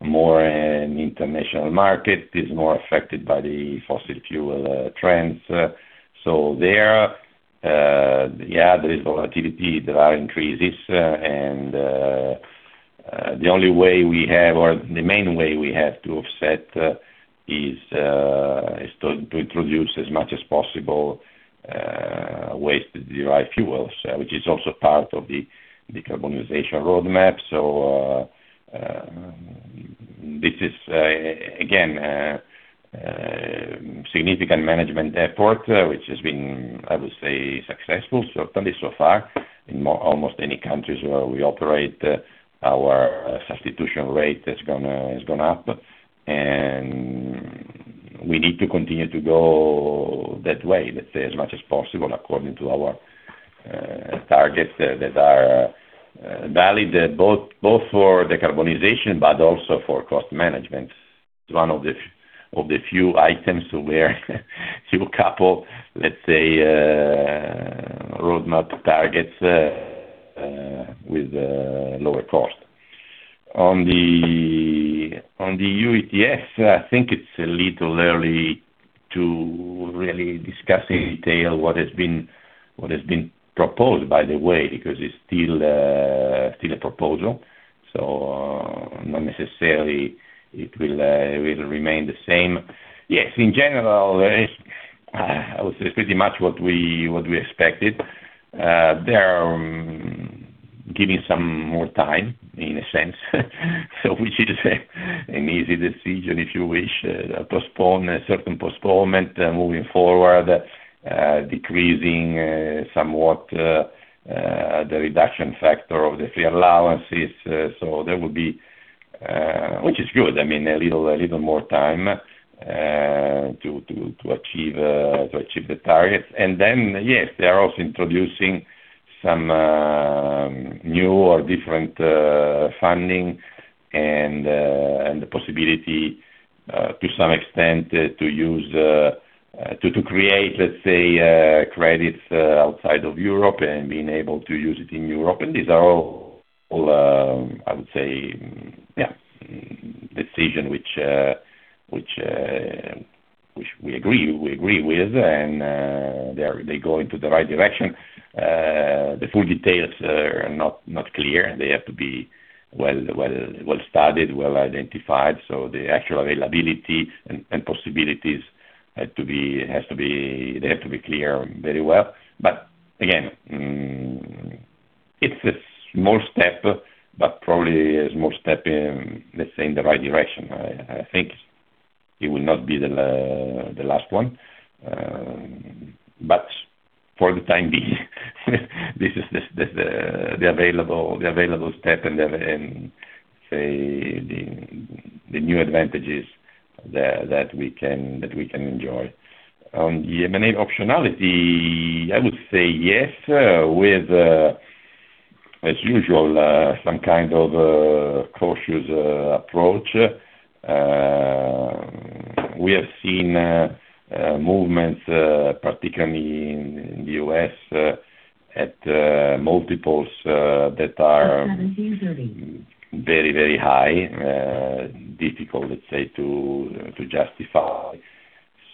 more an international market, it's more affected by the fossil fuel trends. There, yeah, there is volatility, there are increases, and the only way we have, or the main way we have to offset is to introduce as much as possible, waste derived fuels, which is also part of the decarbonization roadmap. This is, again, a significant management effort, which has been, I would say, successful, certainly so far, in almost any countries where we operate, our substitution rate has gone up, and we need to continue to go that way, let's say, as much as possible according to our targets that are valid, both for decarbonization but also for cost management. It's one of the few items where few coupled, let's say, roadmap targets with lower cost. On the EU ETS, I think it's a little early to really discuss in detail what has been proposed, by the way, because it's still a proposal, so not necessarily it will remain the same. Yes, in general, I would say it's pretty much what we expected. They are giving some more time, in a sense, which is an easy decision, if you wish, a certain postponement moving forward, decreasing somewhat, the reduction factor of the free allowances, which is good. I mean, a little more time to achieve the targets. Yes, they are also introducing some new or different funding and the possibility, to some extent, to create, let's say, credits outside of Europe and being able to use it in Europe. These are all, I would say, yeah, decisions which we agree with, and they go into the right direction. The full details are not clear, they have to be well-spotted and well-identified, so the actual availability and possibilities they have to be clear very well. Again, it's a small step, but probably a small step in, let's say, the right direction. I think it will not be the last one. For the time being, this is the available step and say, the new advantages that we can enjoy. On the M&A optionality, I would say yes, with, as usual, some kind of cautious approach. We have seen movements, particularly in U.S., at multiples that are very, very high, difficult, let's say, to justify.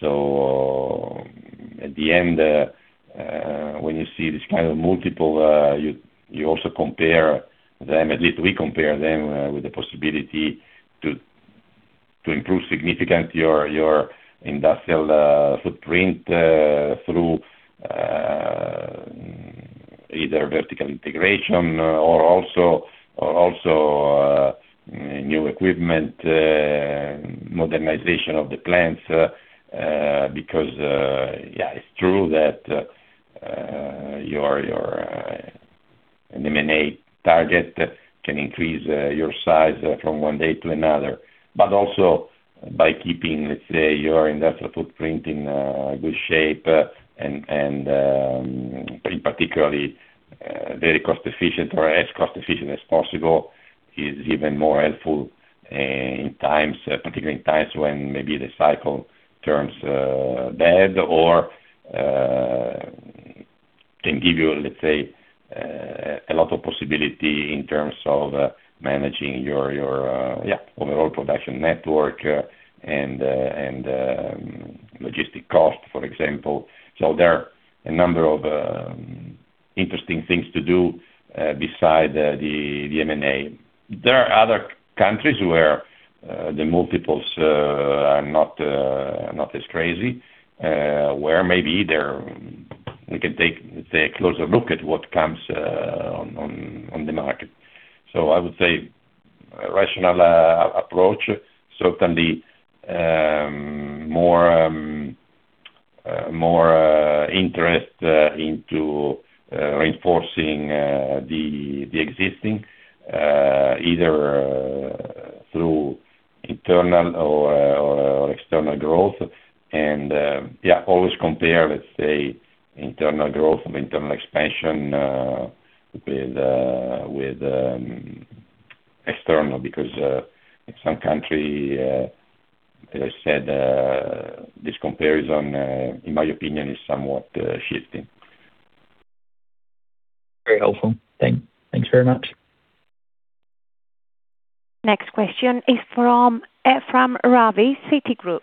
At the end, when you see this kind of multiple, you also compare them, at least we compare them, with the possibility to improve significant your industrial footprint, through either vertical integration or also new equipment, modernization of the plants, because, yeah, it's true that your M&A target can increase your size from one day to another. Also by keeping, let's say, your industrial footprint in good shape and, pretty particularly, very cost efficient or as cost efficient as possible, is even more helpful, particularly in times when maybe the cycle turns bad or can give you, let's say, a lot of possibility in terms of managing your overall production network and logistic cost, for example. There are a number of interesting things to do beside the M&A. There are other countries where the multiples are not as crazy, where maybe we can take a closer look at what comes on the market. I would say rational approach, certainly more interest into reinforcing the existing, either through internal or external growth. Yeah, always compare, let's say, internal growth or internal expansion with external, because in some country, as I said, this comparison, in my opinion, is somewhat shifting. Very helpful. Thanks very much. Next question is from Ephrem Ravi, Citigroup.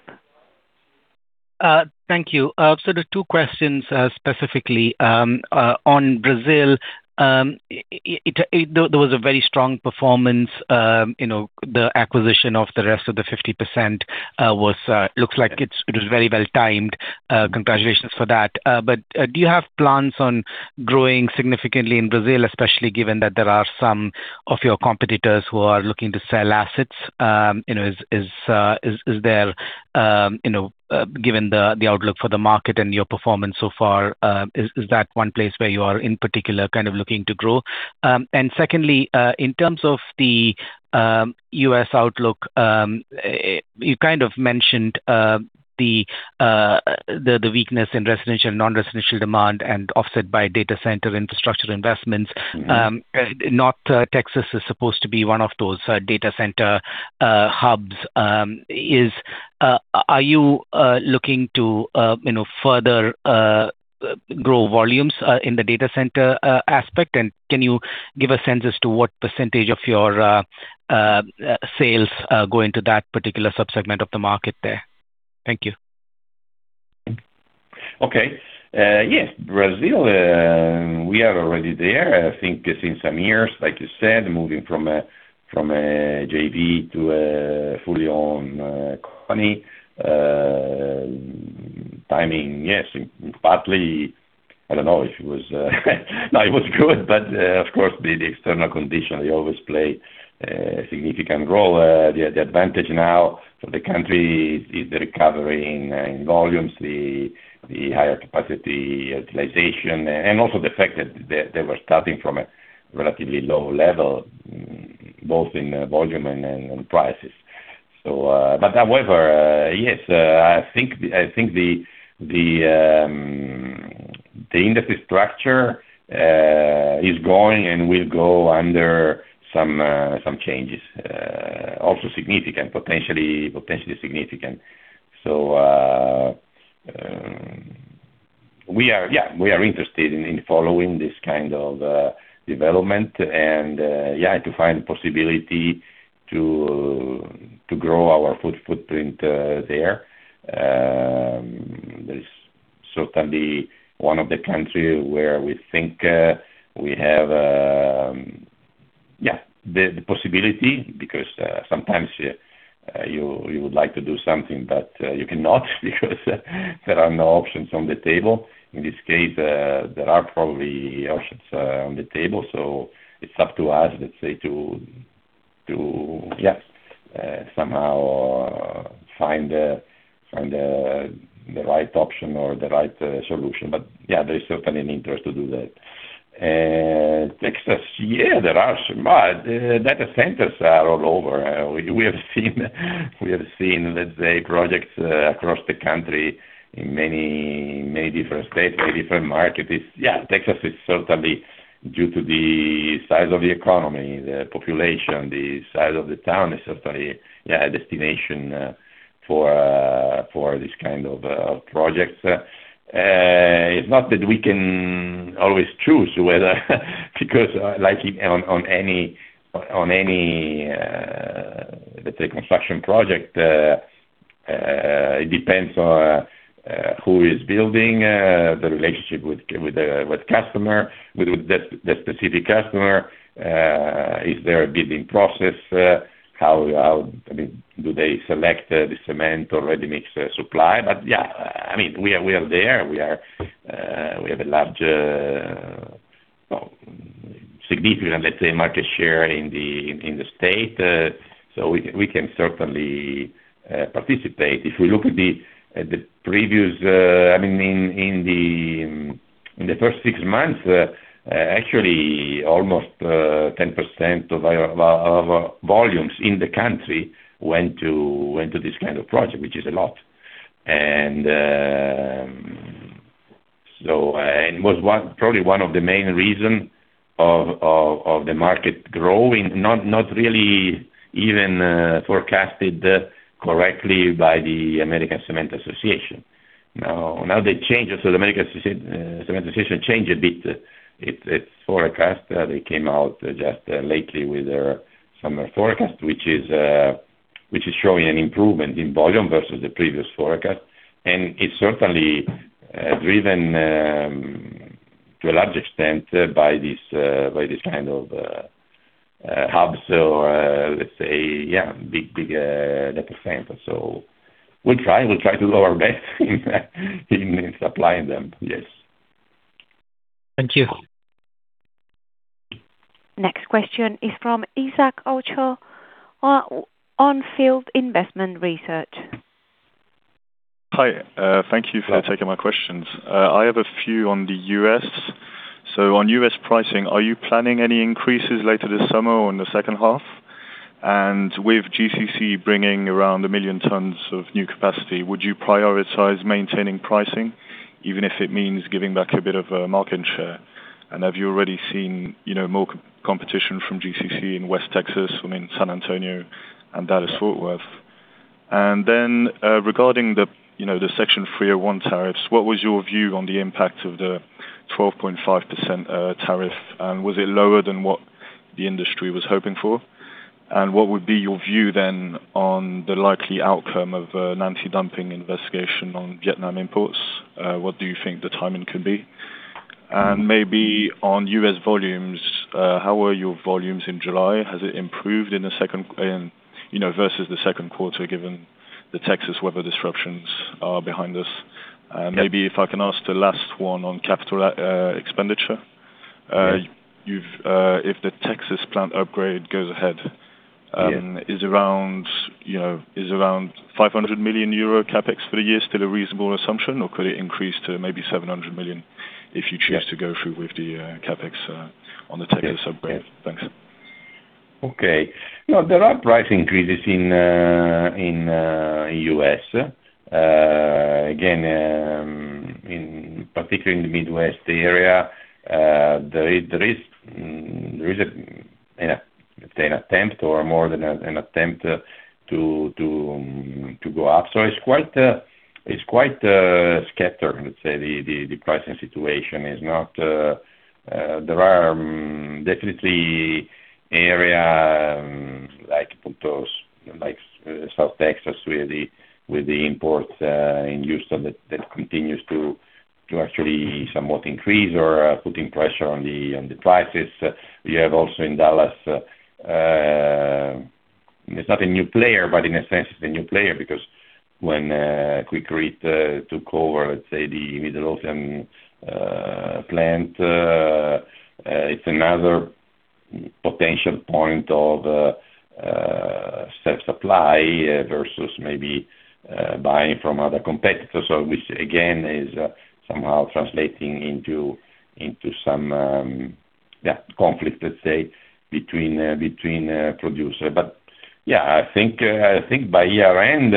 Thank you. There's two questions specifically. On Brazil, there was a very strong performance. The acquisition of the rest of the 50% looks like it was very well timed. Congratulations for that. Do you have plans on growing significantly in Brazil, especially given that there are some of your competitors who are looking to sell assets? Given the outlook for the market and your performance so far, is that one place where you are, in particular, kind of looking to grow? Secondly, in terms of the U.S. outlook, you kind of mentioned the weakness in residential, non-residential demand and offset by data center infrastructure investments. North Texas is supposed to be one of those data center hubs. Are you looking to further grow volumes in the data center aspect? Can you give a sense as to what percent of your sales go into that particular sub-segment of the market there? Thank you. Okay. Yes. Brazil, we are already there, I think since some years, like you said, moving from a JV to a fully owned company. Timing, yes. Partly, I don't know if it was good, of course, the external condition will always play a significant role. The advantage now for the country is the recovery in volumes, the higher capacity utilization, and also the fact that they were starting from a relatively low level, both in volume and prices. However, yes, I think the industry structure is going and will go under some changes, also significant, potentially significant. We are interested in following this kind of development and to find possibility to grow our footprint there. That is certainly one of the country where we think we have the possibility, because sometimes you would like to do something, but you cannot because there are no options on the table. In this case, there are probably options on the table, so it's up to us, let's say, to somehow find the right option or the right solution. Yeah, there's certainly an interest to do that. Texas, yeah, there are some. Data centers are all over. We have seen projects across the country in many different states, many different markets. Yeah, Texas is certainly, due to the size of the economy, the population, the size of the town, is certainly a destination for this kind of projects. It's not that we can always choose whether because like on any construction project, it depends on who is building, the relationship with the specific customer. Is there a bidding process? Do they select the cement or ready-mix supply? Yeah, we are there. We have a large, significant market share in the state. We can certainly participate. If we look at the previous, in the first six months, actually, almost 10% of our volumes in the country went to this kind of project, which is a lot. It was probably one of the main reason of the market growing, not really even forecasted correctly by the American Cement Association. Now the changes to the American Cement Association changed a bit. Its forecast, they came out just lately with their summer forecast, which is showing an improvement in volume versus the previous forecast. It's certainly driven to a large extent by this kind of hubs or big percentage. We'll try to do our best in supplying them. Thank you. Next question is from Isaac Ocio, On Field Investment Research. Hi. Thank you for taking my questions. I have a few on the U.S. On U.S. pricing, are you planning any increases later this summer or in the second half? With GCC bringing around a million ton of new capacity, would you prioritize maintaining pricing, even if it means giving back a bit of a market share? Have you already seen more competition from GCC in West Texas, from in San Antonio and Dallas-Fort Worth? Regarding the Section 301 tariffs, what was your view on the impact of the 12.5% tariff, and was it lower than what the industry was hoping for? What would be your view then on the likely outcome of an anti-dumping investigation on Vietnam imports? What do you think the timing could be? Maybe on U.S. volumes, how were your volumes in July? Has it improved versus the second quarter, given the Texas weather disruptions are behind us? Maybe if I can ask the last one on capital expenditure. If the Texas plant upgrade goes ahead, is around 500 million euro CapEx for the year still a reasonable assumption, or could it increase to maybe 700 million if you choose to go through with the CapEx on the Texas upgrade? Thanks. Okay. There are price increases in U.S. Again, particularly in the Midwest area, there is an attempt, or more than an attempt to go up. It's quite scattered, let's say, the pricing situation. There are definitely area like South Texas with the imports in Houston that continues to actually somewhat increase or putting pressure on the prices. We have also in Dallas, it's not a new player, but in a sense it's a new player because when Quikrete took over, let's say, the Midlothian plant, it's another potential point of self-supply versus maybe buying from other competitors. Which again, is somehow translating into some conflict, let's say, between producer. Yeah, I think by year-end,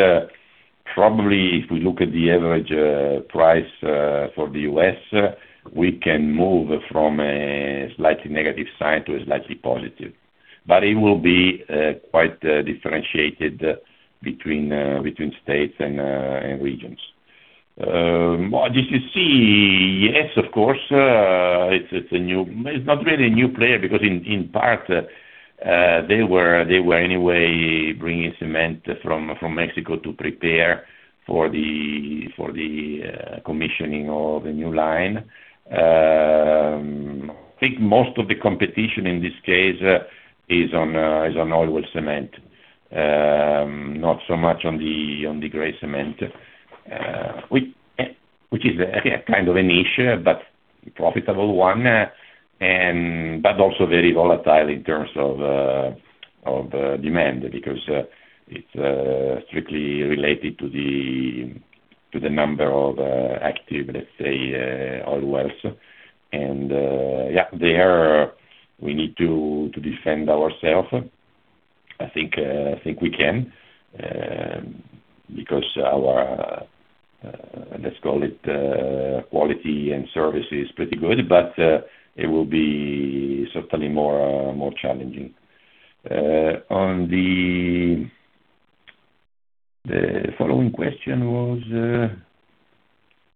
probably if we look at the average price for the U.S., we can move from a slightly negative sign to a slightly positive. It will be quite differentiated between states and regions. GCC, yes, of course, it's not really a new player because in part, they were anyway bringing cement from Mexico to prepare for the commissioning of a new line. I think most of the competition in this case is on oil well cement, not so much on the gray cement, which is kind of a niche, but profitable one. Also very volatile in terms of demand because it's strictly related to the number of active, let's say, oil wells. Yeah, there, we need to defend ourself. I think we can, because our, let's call it, quality and service is pretty good, but it will be certainly more challenging. On the following question was?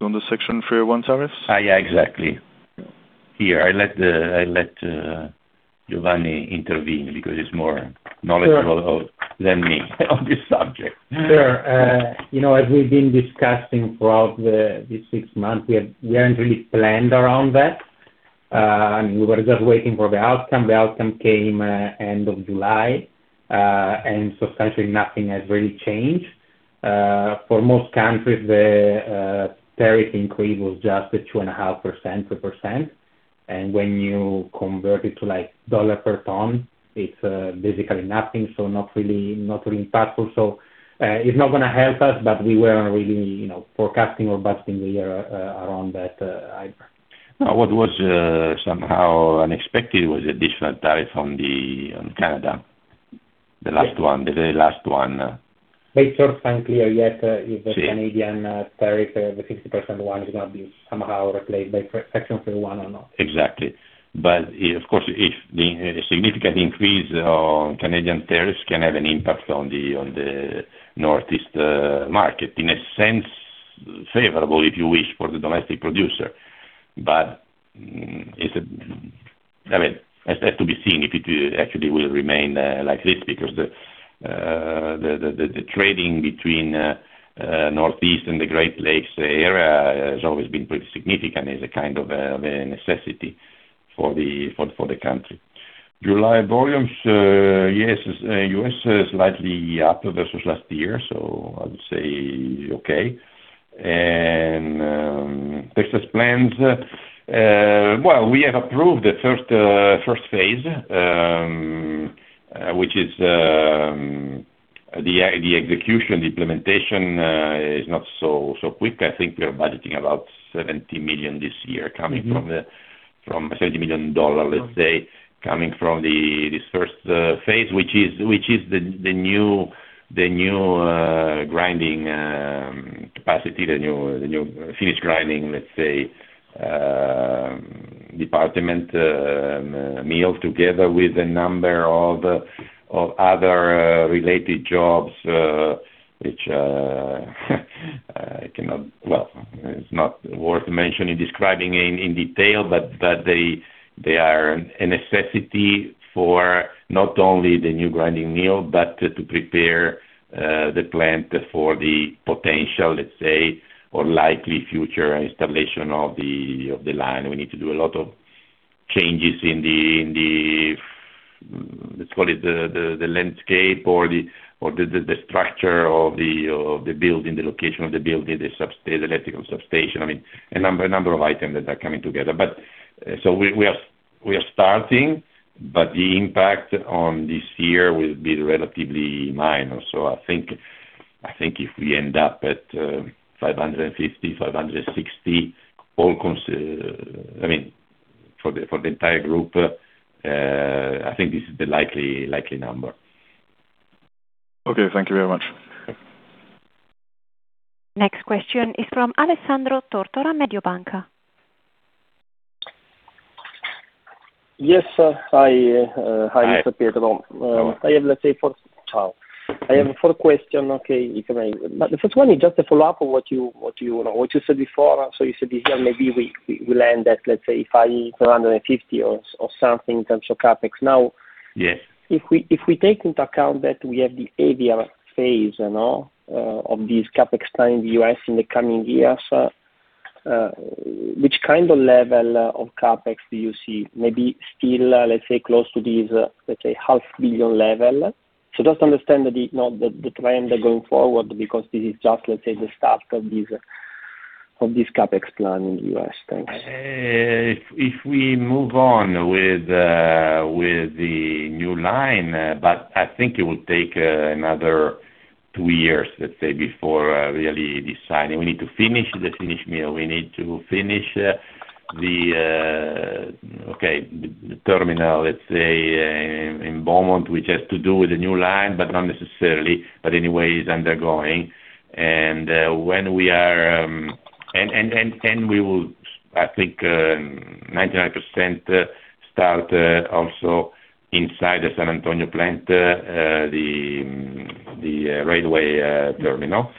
On the Section 301 tariffs? Yeah, exactly. Here, I let Giovanni intervene because he's more knowledgeable than me on this subject. Sure. As we've been discussing throughout these six months, we haven't really planned around that. We were just waiting for the outcome. The outcome came end of July, substantially nothing has really changed. For most countries, the tariff increase was just 2.5%, 3%. When you convert it to dollar per ton, it's basically nothing, not really impactful. It's not going to help us, but we weren't really forecasting or budgeting the year around that either. What was somehow unexpected was the additional tariff on Canada. The last one. It's not clear yet if the Canadian tariff, the 60% one, is going to be somehow replaced by Section 301 or not. Exactly. Of course, if the significant increase on Canadian tariffs can have an impact on the northeast market, in a sense favorable, if you wish, for the domestic producer. That has to be seen if it actually will remain like this, because the trading between Northeast and the Great Lakes area has always been pretty significant as a kind of a necessity for the country. July volumes, yes, U.S. is slightly up versus last year, so I would say okay. Texas plans, well, we have approved the first phase, which is the execution. The implementation is not so quick. I think we are budgeting about EUR 70 million this year, let's say, coming from this first phase, which is the new grinding capacity, the new finish grinding, let's say, department mill, together with a number of other related jobs, which it's not worth mentioning, describing in detail, but they are a necessity for not only the new grinding mill, but to prepare the plant for the potential, let's say, or likely future installation of the line. We need to do a lot of changes in the, let's call it, the landscape or the structure of the building, the location of the building, the electrical substation. A number of items that are coming together. We are starting, but the impact on this year will be relatively minor. I think if we end up at 550 million, 560 million, for the entire group, I think this is the likely number. Okay. Thank you very much. Next question is from Alessandro Tortora, Mediobanca. Hi, Mr. Pietro. Hi. I have four question, if I may. The first one is just a follow-up on what you said before. You said this year maybe we'll end at, let's say, 550 million or something in terms of CapEx now. Yes. If we take into account that we have the ADR phase of this CapEx time in the U.S. in the coming years, which kind of level of CapEx do you see? Maybe still, let's say, close to this 500 million level? Just understand the trend going forward, because this is just the start of this CapEx plan in the U.S. Thanks. If we move on with the new line, but I think it will take another two years, let's say, before really deciding. We need to finish the finish mill. We need to finish the terminal, let's say, in Beaumont, which has to do with the new line, but not necessarily, but anyway, is undergoing. We will, I think, 99% start also inside the San Antonio plant, the railway terminal.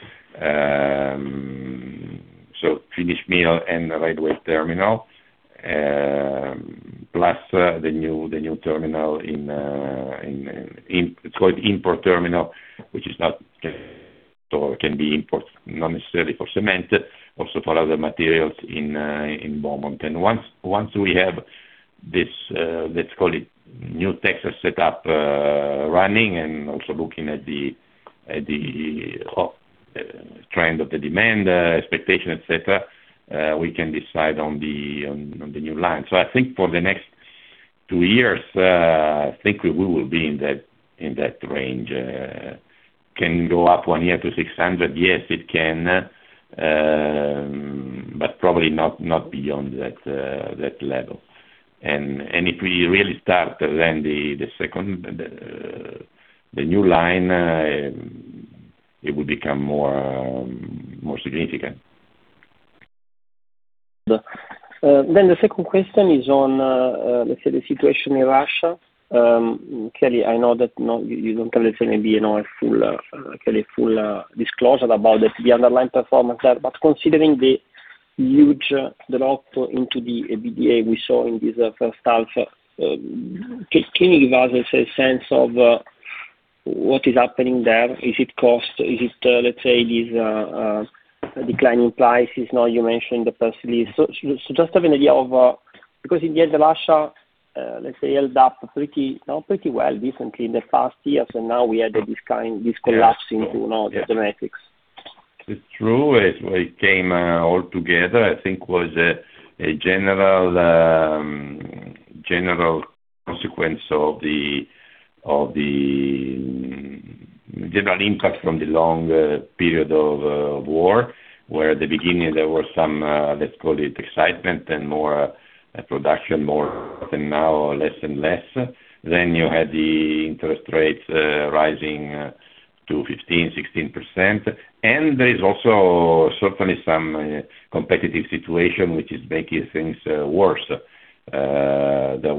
Finish mill and the railway terminal, plus the new terminal, it's called import terminal, which is not or can be import not necessarily for cement, also for other materials in Beaumont. Once we have this, let's call it, new Texas set up running and also looking at the trend of the demand expectation, etc, we can decide on the new line. I think for the next two years, I think we will be in that range. Can go up one year to 600 million? Yes, it can. Probably not beyond that level. If we really start the new line, it will become more significant. The second question is on, let's say, the situation in Russia. Clearly, I know that you don't have full disclosure about the underlying performance there, but considering the huge drop into the EBITDA we saw in this first half, can you give us a sense of what is happening there? Is it cost? Is it these declining prices now you mentioned previously? Just to have an idea. In the end, Russia, let's say, held up pretty well, decently in the past years, now we had this collapse into the metrics. It's true. It came all together, I think was a general consequence of the general impact from the long period of war, where at the beginning there were some, let's call it excitement and more production more than now, less and less. You had the interest rates rising to 15%-16%. There is also certainly some competitive situation which is making things worse. There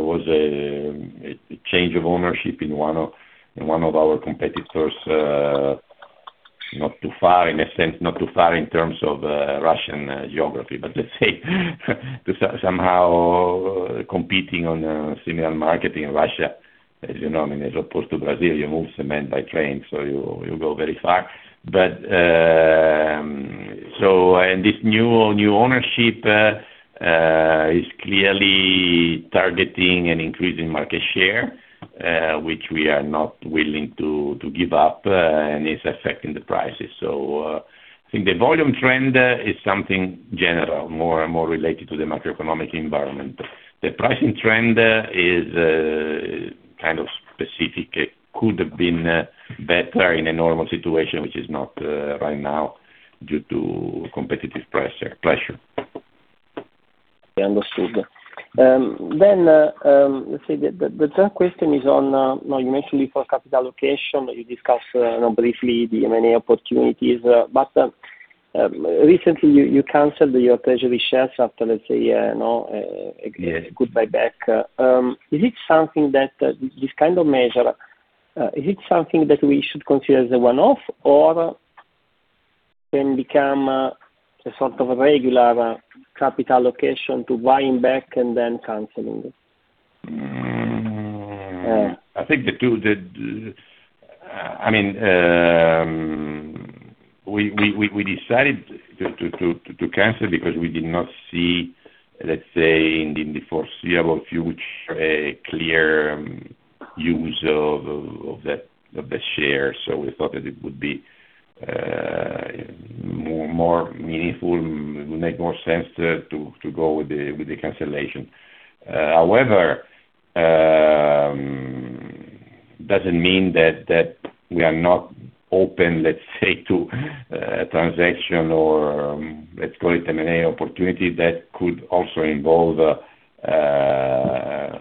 was a change of ownership in one of our competitors not too far in a sense, not too far in terms of Russian geography, but let's say to somehow competing on a similar market in Russia. As you know, as opposed to Brazil, you move cement by train, so you go very far. This new ownership is clearly targeting an increase in market share, which we are not willing to give up, and it's affecting the prices. I think the volume trend is something general, more and more related to the macroeconomic environment. The pricing trend is kind of specific. It could have been better in a normal situation, which is not right now due to competitive pressure. Understood. Let's say the third question is on, you mentioned before capital allocation, you discussed briefly the many opportunities. Recently, you canceled your treasury shares after, let's say, a good buyback. This kind of measure, is it something that we should consider as a one-off, or can become a sort of regular capital allocation to buying back and then canceling? I think we decided to cancel because we did not see, let's say, in the foreseeable future, a clear use of the shares. We thought that it would be more meaningful, it would make more sense to go with the cancellation. However, it doesn't mean that we are not open, let's say, to a transaction or let's call it an M&A opportunity that could also involve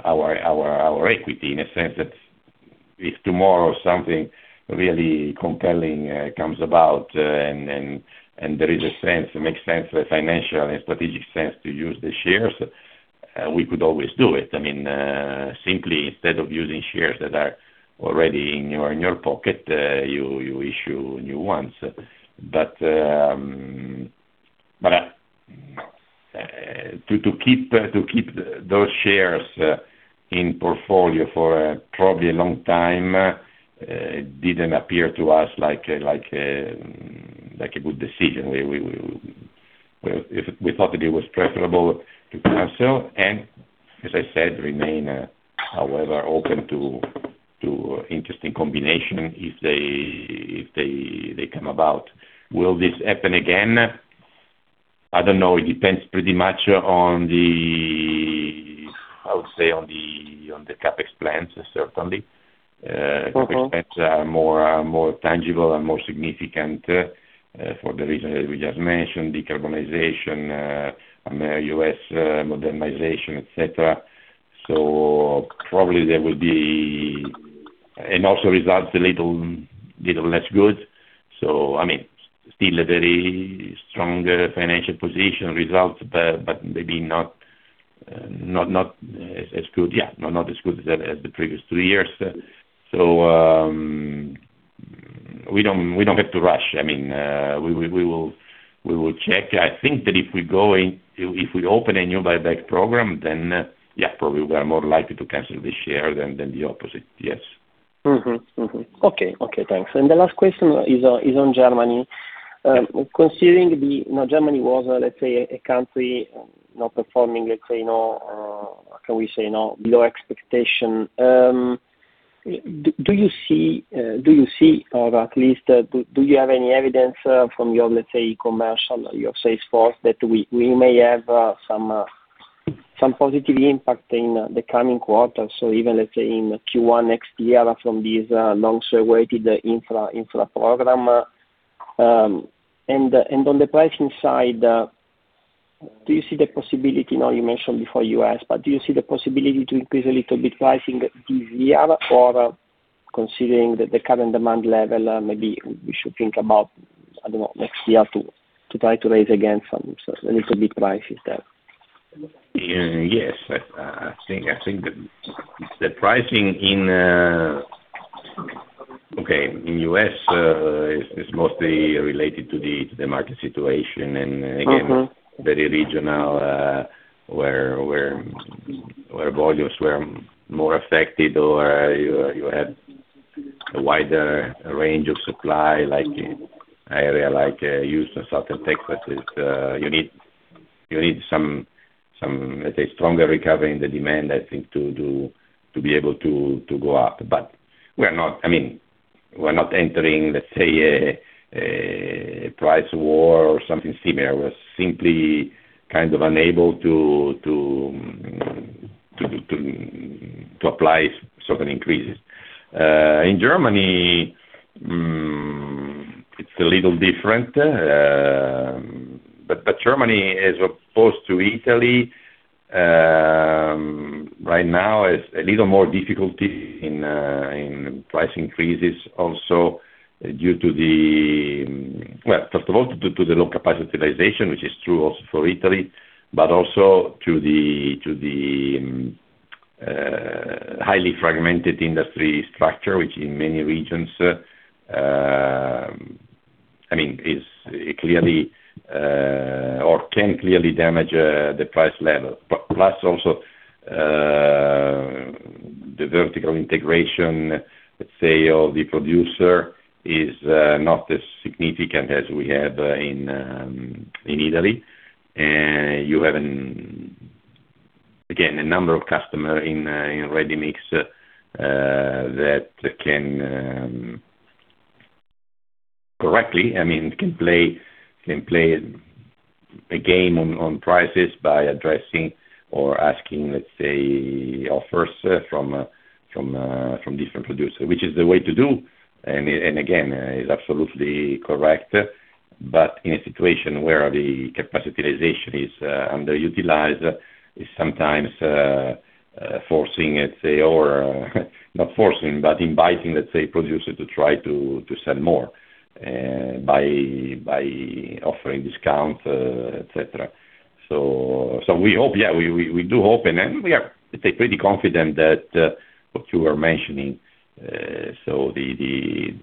our equity, in a sense that if tomorrow something really compelling comes about, and there is a sense, it makes sense, a financial and strategic sense to use the shares, we could always do it. Simply instead of using shares that are already in your pocket, you issue new ones. To keep those shares in portfolio for probably a long time, it didn't appear to us like a good decision. We thought that it was preferable to cancel and, as I said, remain, however, open to interesting combination if they come about. Will this happen again? I don't know. It depends pretty much on the, I would say, on the CapEx plans, certainly. CapEx plans are more tangible and more significant, for the reasons that we just mentioned, decarbonization, U.S. modernization, etc. Also results a little less good. Still a very strong financial position results, but maybe not as good, yeah, not as good as the previous two years. We don't have to rush. We will check. I think that if we open a new buyback program, probably we are more likely to cancel the share than the opposite. Okay, thanks. The last question is on Germany. Considering Germany was, let's say, a country not performing, how can we say now, low expectation? Do you see, or at least do you have any evidence from your, let's say, commercial, your sales force that we may have some positive impact in the coming quarters? Even, let's say, in Q1 next year from this long awaited infra program. On the pricing side, do you see the possibility now you mentioned before U.S., but do you see the possibility to increase a little bit pricing this year? Considering that the current demand level, maybe we should think about, I don't know, next year to try to raise again a little bit prices there. Yes. I think the pricing in U.S. is mostly related to the market situation. Very regional, where volumes were more affected, or you had a wider range of supply, like area like Houston, Southern Texas, you need some, let's say, stronger recovery in the demand, I think, to be able to go up. We're not entering, let's say, a price war or something similar. We're simply kind of unable to apply certain increases. In Germany, it's a little different. Germany, as opposed to Italy, right now is a little more difficulty in price increases also due to first of all, due to the low capacitization, which is true also for Italy, but also to a highly fragmented industry structure, which in many regions can clearly damage the price level. The vertical integration, let's say, of the producer, is not as significant as we have in Italy. You have, again, a number of customers in ready mix that can correctly play a game on prices by addressing or asking, let's say, offers from different producers. Which is the way to do, and again, is absolutely correct. In a situation where the capacitization is underutilized, it's sometimes forcing, let's say, or not forcing, but inviting, let's say, producers to try to sell more by offering discounts, etc. We do hope, and we are pretty confident that what you were mentioning. The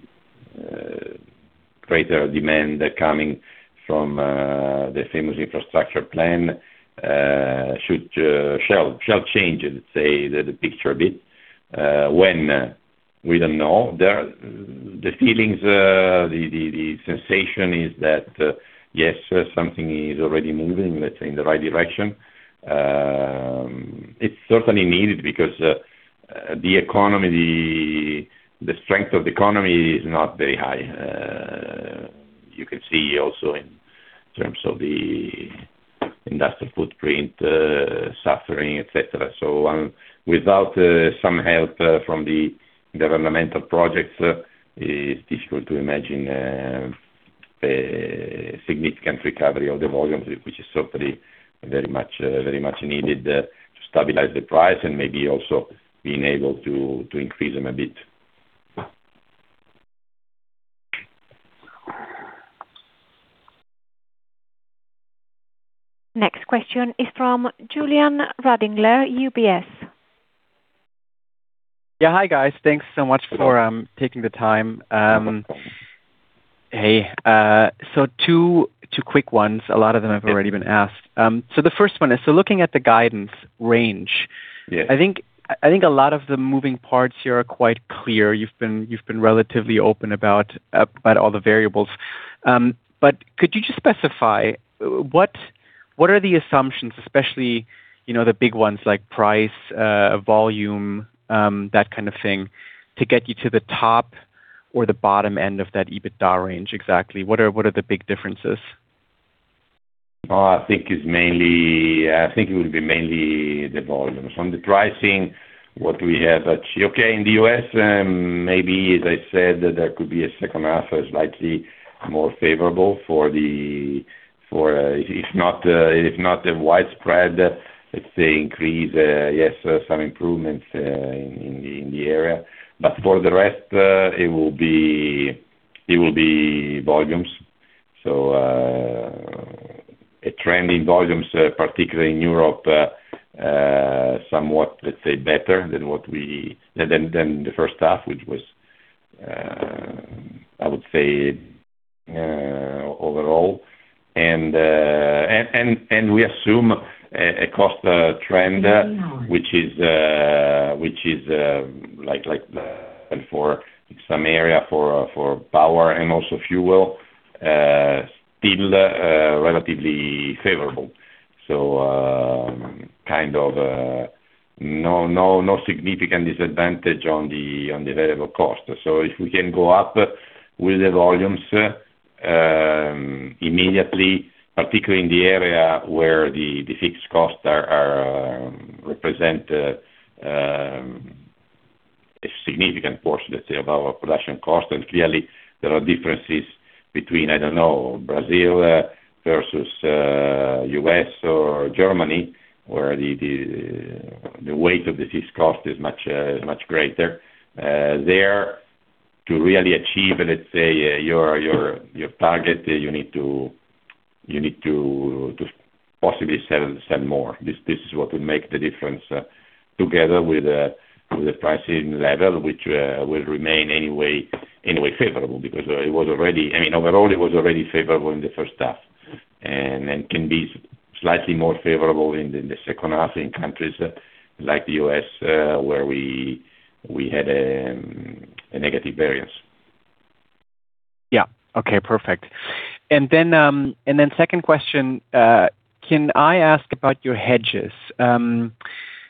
greater demand coming from the famous infrastructure plan shall change, let's say, the picture a bit. When? We don't know. The sensation is that, yes, something is already moving, let's say, in the right direction. It's certainly needed because the strength of the economy is not very high. You can see also in terms of the industrial footprint suffering, etc. Without some help from the governmental projects, it's difficult to imagine a significant recovery of the volumes, which is certainly very much needed to stabilize the price and maybe also being able to increase them a bit. Next question is from Julian Radlinger, UBS. Yeah. Hi, guys. Thanks so much for taking the time. Hello. Hey. Two quick ones. A lot of them have already been asked. The first one is, looking at the guidance range, I think a lot of the moving parts here are quite clear. You've been relatively open about all the variables. Could you just specify what are the assumptions, especially, the big ones like price, volume, that kind of thing, to get you to the top or the bottom end of that EBITDA range exactly? What are the big differences? I think it will be mainly the volumes. On the pricing, what we have achieved, okay, in the U.S., maybe, as I said, there could be a second half that is likely more favorable, if not widespread, let's say, increase. Yes, some improvements in the area. For the rest, it will be volumes. A trend in volumes, particularly in Europe, somewhat, let's say, better than the first half, which was, I would say, overall. We assume a cost trend, which is, like for some area for power and also fuel, still relatively favorable. Kind of no significant disadvantage on the available cost. If we can go up with the volumes immediately, particularly in the area where the fixed costs represent a significant portion, let's say, of our production cost. Clearly, there are differences between, I don't know, Brazil versus U.S. or Germany, where the weight of the fixed cost is much greater. There, to really achieve, let's say, your target, you need to possibly sell more. This is what will make the difference together with the pricing level, which will remain anyway favorable because it was already Overall, it was already favorable in the first half, and can be slightly more favorable in the second half in countries like the U.S., where we had a negative variance. Okay, perfect. Second question, can I ask about your hedges?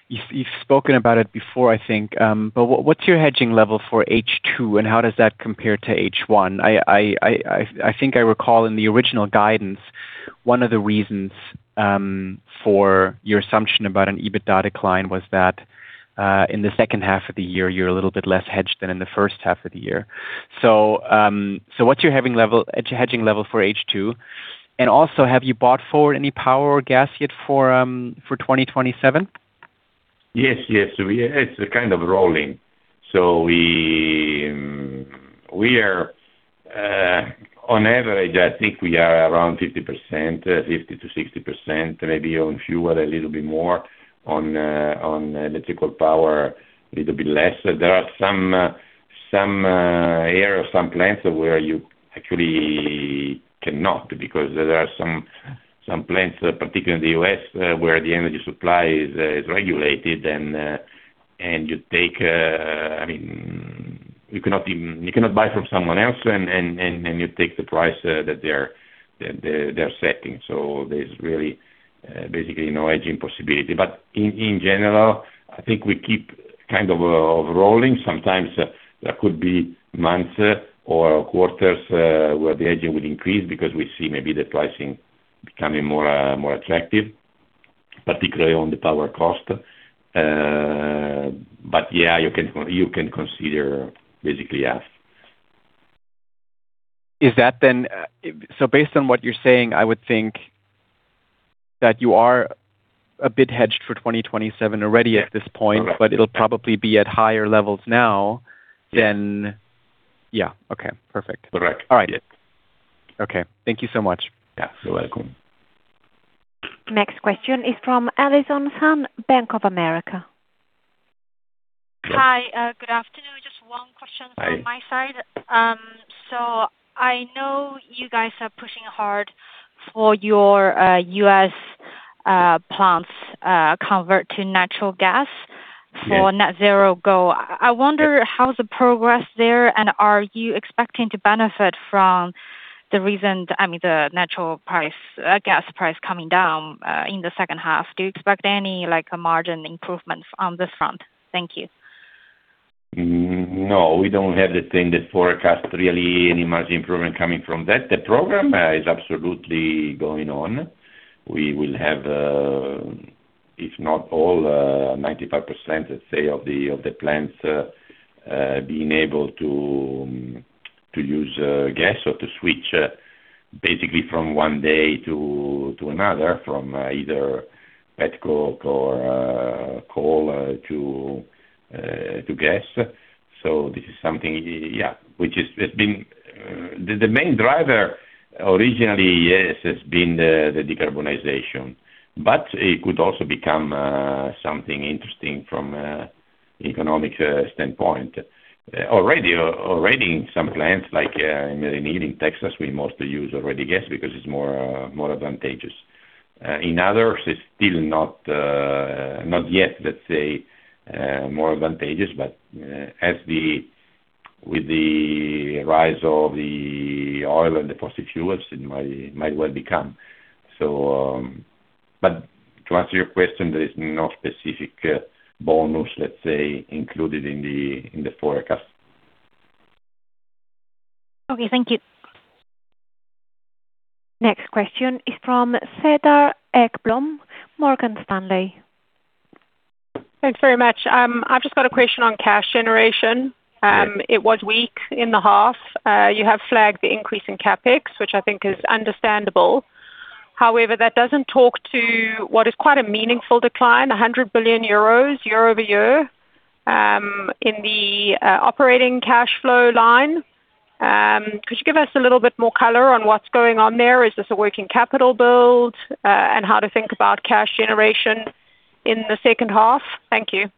You've spoken about it before, I think. What's your hedging level for H2, and how does that compare to H1? I think I recall in the original guidance, one of the reasons for your assumption about an EBITDA decline was that in the second half of the year, you're a little bit less hedged than in the first half of the year. What's your hedging level for H2? Also, have you bought forward any power or gas yet for 2027? It's kind of rolling. We are, on average, I think we are around 50%, 50%-60%, maybe on fuel, a little bit more, on electrical power, a little bit less. There are some areas, some plants where you actually cannot, because there are some plants, particularly in the U.S., where the energy supply is regulated, and you cannot buy from someone else, and you take the price that they're setting. There's really basically no hedging possibility. In general, I think we keep kind of rolling. Sometimes there could be months or quarters, where the hedging will increase because we see maybe the pricing becoming more attractive, particularly on the power cost. You can consider basically, yes. Based on what you're saying, I would think that you are a bit hedged for 2027 already at this point. Correct. It'll probably be at higher levels now than. Yeah. Okay, perfect. Correct. All right. Okay. Thank you so much. Yeah, you're welcome. Next question is from Allison Sun, Bank of America. Hi. Good afternoon. Just one question from my side. Hi. I know you guys are pushing hard for your U.S. plants convert to natural gas for net zero goal. I wonder how's the progress there, and are you expecting to benefit from the recent, the natural gas price coming down, in the second half. Do you expect any margin improvements on this front? Thank you. No, we don't have the thing that forecast really any margin improvement coming from that. The program is absolutely going on. We will have, if not all, 95%, let's say, of the plants, being able to use gas or to switch basically from one day to another from either petcoke or coal to gas. This is something, yeah. The main driver originally, yes, has been the decarbonization, it could also become something interesting from economic standpoint. Already in some plants like in Texas, we mostly use already gas because it's more advantageous. In others, it's still not yet, let's say, more advantageous. With the rise of the oil and the fossil fuels, it might well become. To answer your question, there is no specific bonus, let's say, included in the forecast. Okay, thank you. Next question is from Cedar Ekblom, Morgan Stanley. Thanks very much. I've just got a question on cash generation. It was weak in the half. You have flagged the increase in CapEx, which I think is understandable. However, that doesn't talk to what is quite a meaningful decline, 100 billion euros year-over-year, in the operating cash flow line. Could you give us a little bit more color on what's going on there? Is this a working capital build? How to think about cash generation in the second half. Thank you.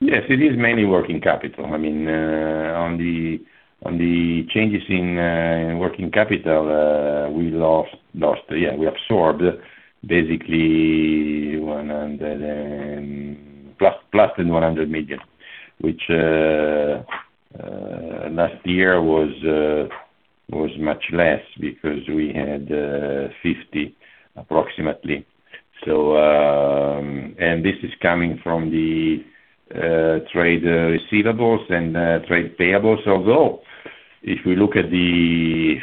Yes, it is mainly working capital. On the changes in working capital, we lost, we absorbed basically more than EUR 100 million, which, last year was much less because we had 50 million approximately. This is coming from the trade receivables and trade payables, although if we look at the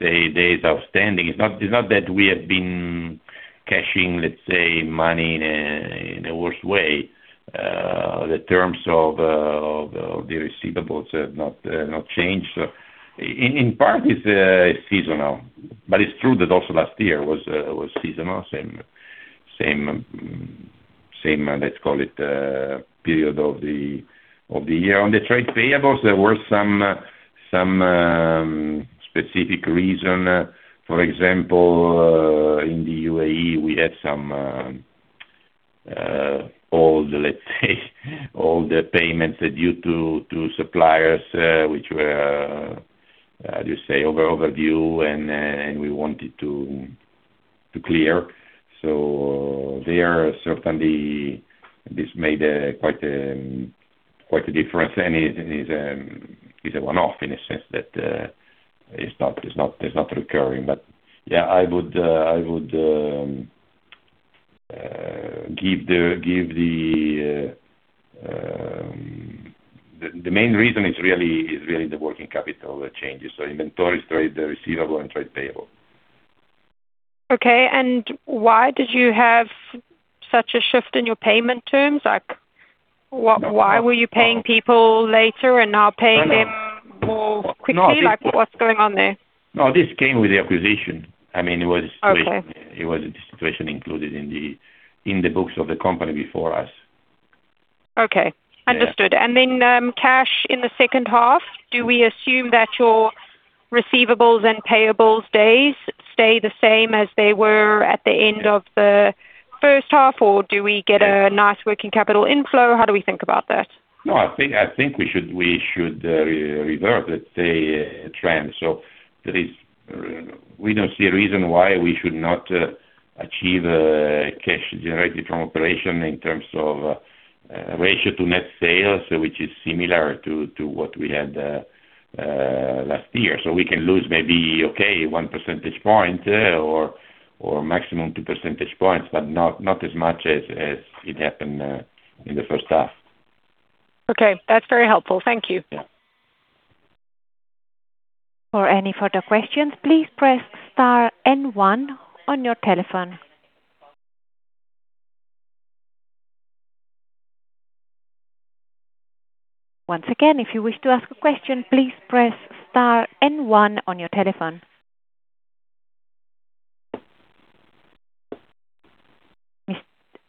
days outstanding, it's not that we have been cashing money in a worse way. The terms of the receivables have not changed. In part, it's seasonal, but it's true that also last year was seasonal, same period of the year. On the trade payables, there was some specific reason. For example, in the UAE, we had some old payments due to suppliers, which were overdue and we wanted to clear. There certainly this made quite a difference, and is a one-off in a sense that it's not recurring. The main reason is really the working capital changes. Inventories, trade receivables, and trade payables. Okay. Why did you have such a shift in your payment terms? Why were you paying people later and now paying them more quickly? What's going on there? No, this came with the acquisition. It was a situation included in the books of the company before us. Okay. Understood. Then cash in the second half, do we assume that your receivables and payables days stay the same as they were at the end of the first half, or do we get a nice working capital inflow? How do we think about that? No, I think we should revert, let's say, a trend. We don't see a reason why we should not achieve a cash generated from operation in terms of ratio to net sales, which is similar to what we had last year. We can lose maybe 1 percentage point or maximum 2 percentage points, but not as much as it happened in the first half. Okay. That's very helpful, thank you. Yeah. For any further questions, please press star and one on your telephone. Once again, if you wish to ask a question, please press star and one on your telephone.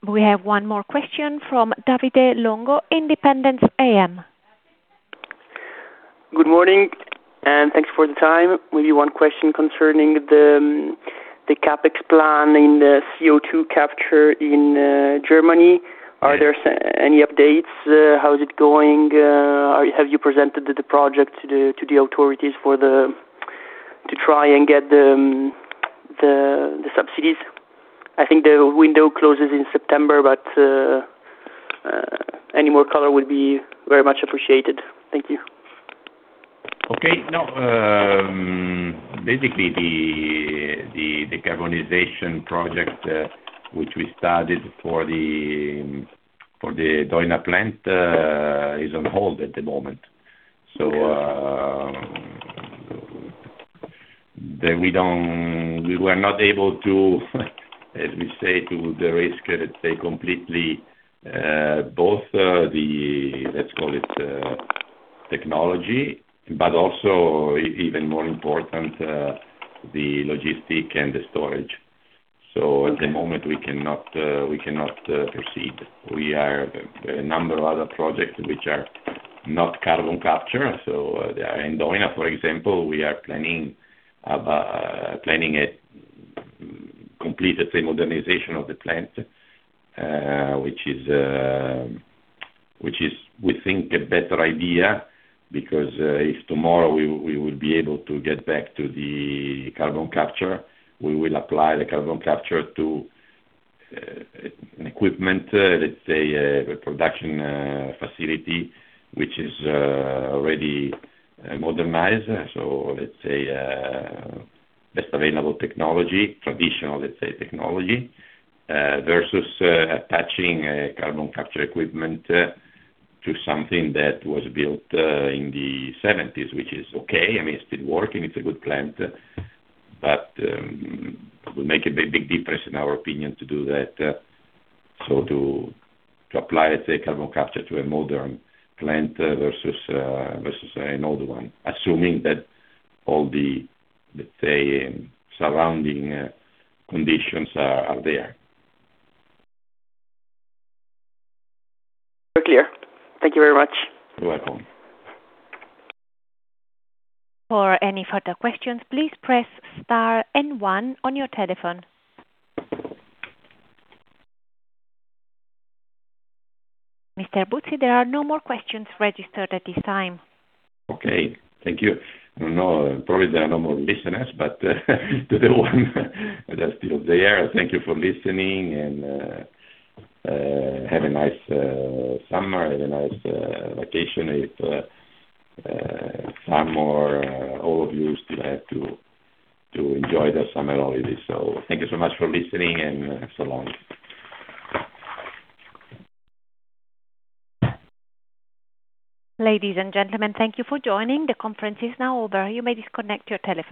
We have one more question from Davide Longo, Indépendance AM. Good morning, thanks for the time. Maybe one question concerning the CapEx plan in the CO2 capture in Germany. Are there any updates? How is it going? Have you presented the project to the authorities to try and get the subsidies? I think the window closes in September, any more color would be very much appreciated. Thank you. Okay. Basically, the decarbonization project which we started for the Deuna plant is on hold at the moment. We were not able to, as we say, to derisk, let's say, completely, both the, let's call it, technology, also, even more important, the logistic and the storage. At the moment, we cannot proceed. We are a number of other projects which are not carbon capture. In Deuna, for example, we are planning a complete modernization of the plant, which is, we think, a better idea, because if tomorrow we will be able to get back to the carbon capture, we will apply the carbon capture to an equipment, let's say, a production facility, which is already modernized. Let's say, best available technology, traditional technology, versus attaching carbon capture equipment to something that was built in the 1970s, which is okay. I mean, it's still working. It's a good plant, it will make a big difference, in our opinion, to do that. To apply carbon capture to a modern plant versus an older one, assuming that all the surrounding conditions are there. Clear. Thank you very much. You're welcome. For any further questions, please press star and one on your telephone. Mr. Buzzi, there are no more questions registered at this time. Okay. Thank you. Probably there are no more listeners, but to the ones that are still there, thank you for listening and have a nice summer. Have a nice vacation, if some or all of you still have to enjoy the summer holidays. Thank you so much for listening and so long. Ladies and gentlemen, thank you for joining. The conference is now over. You may disconnect your telephone.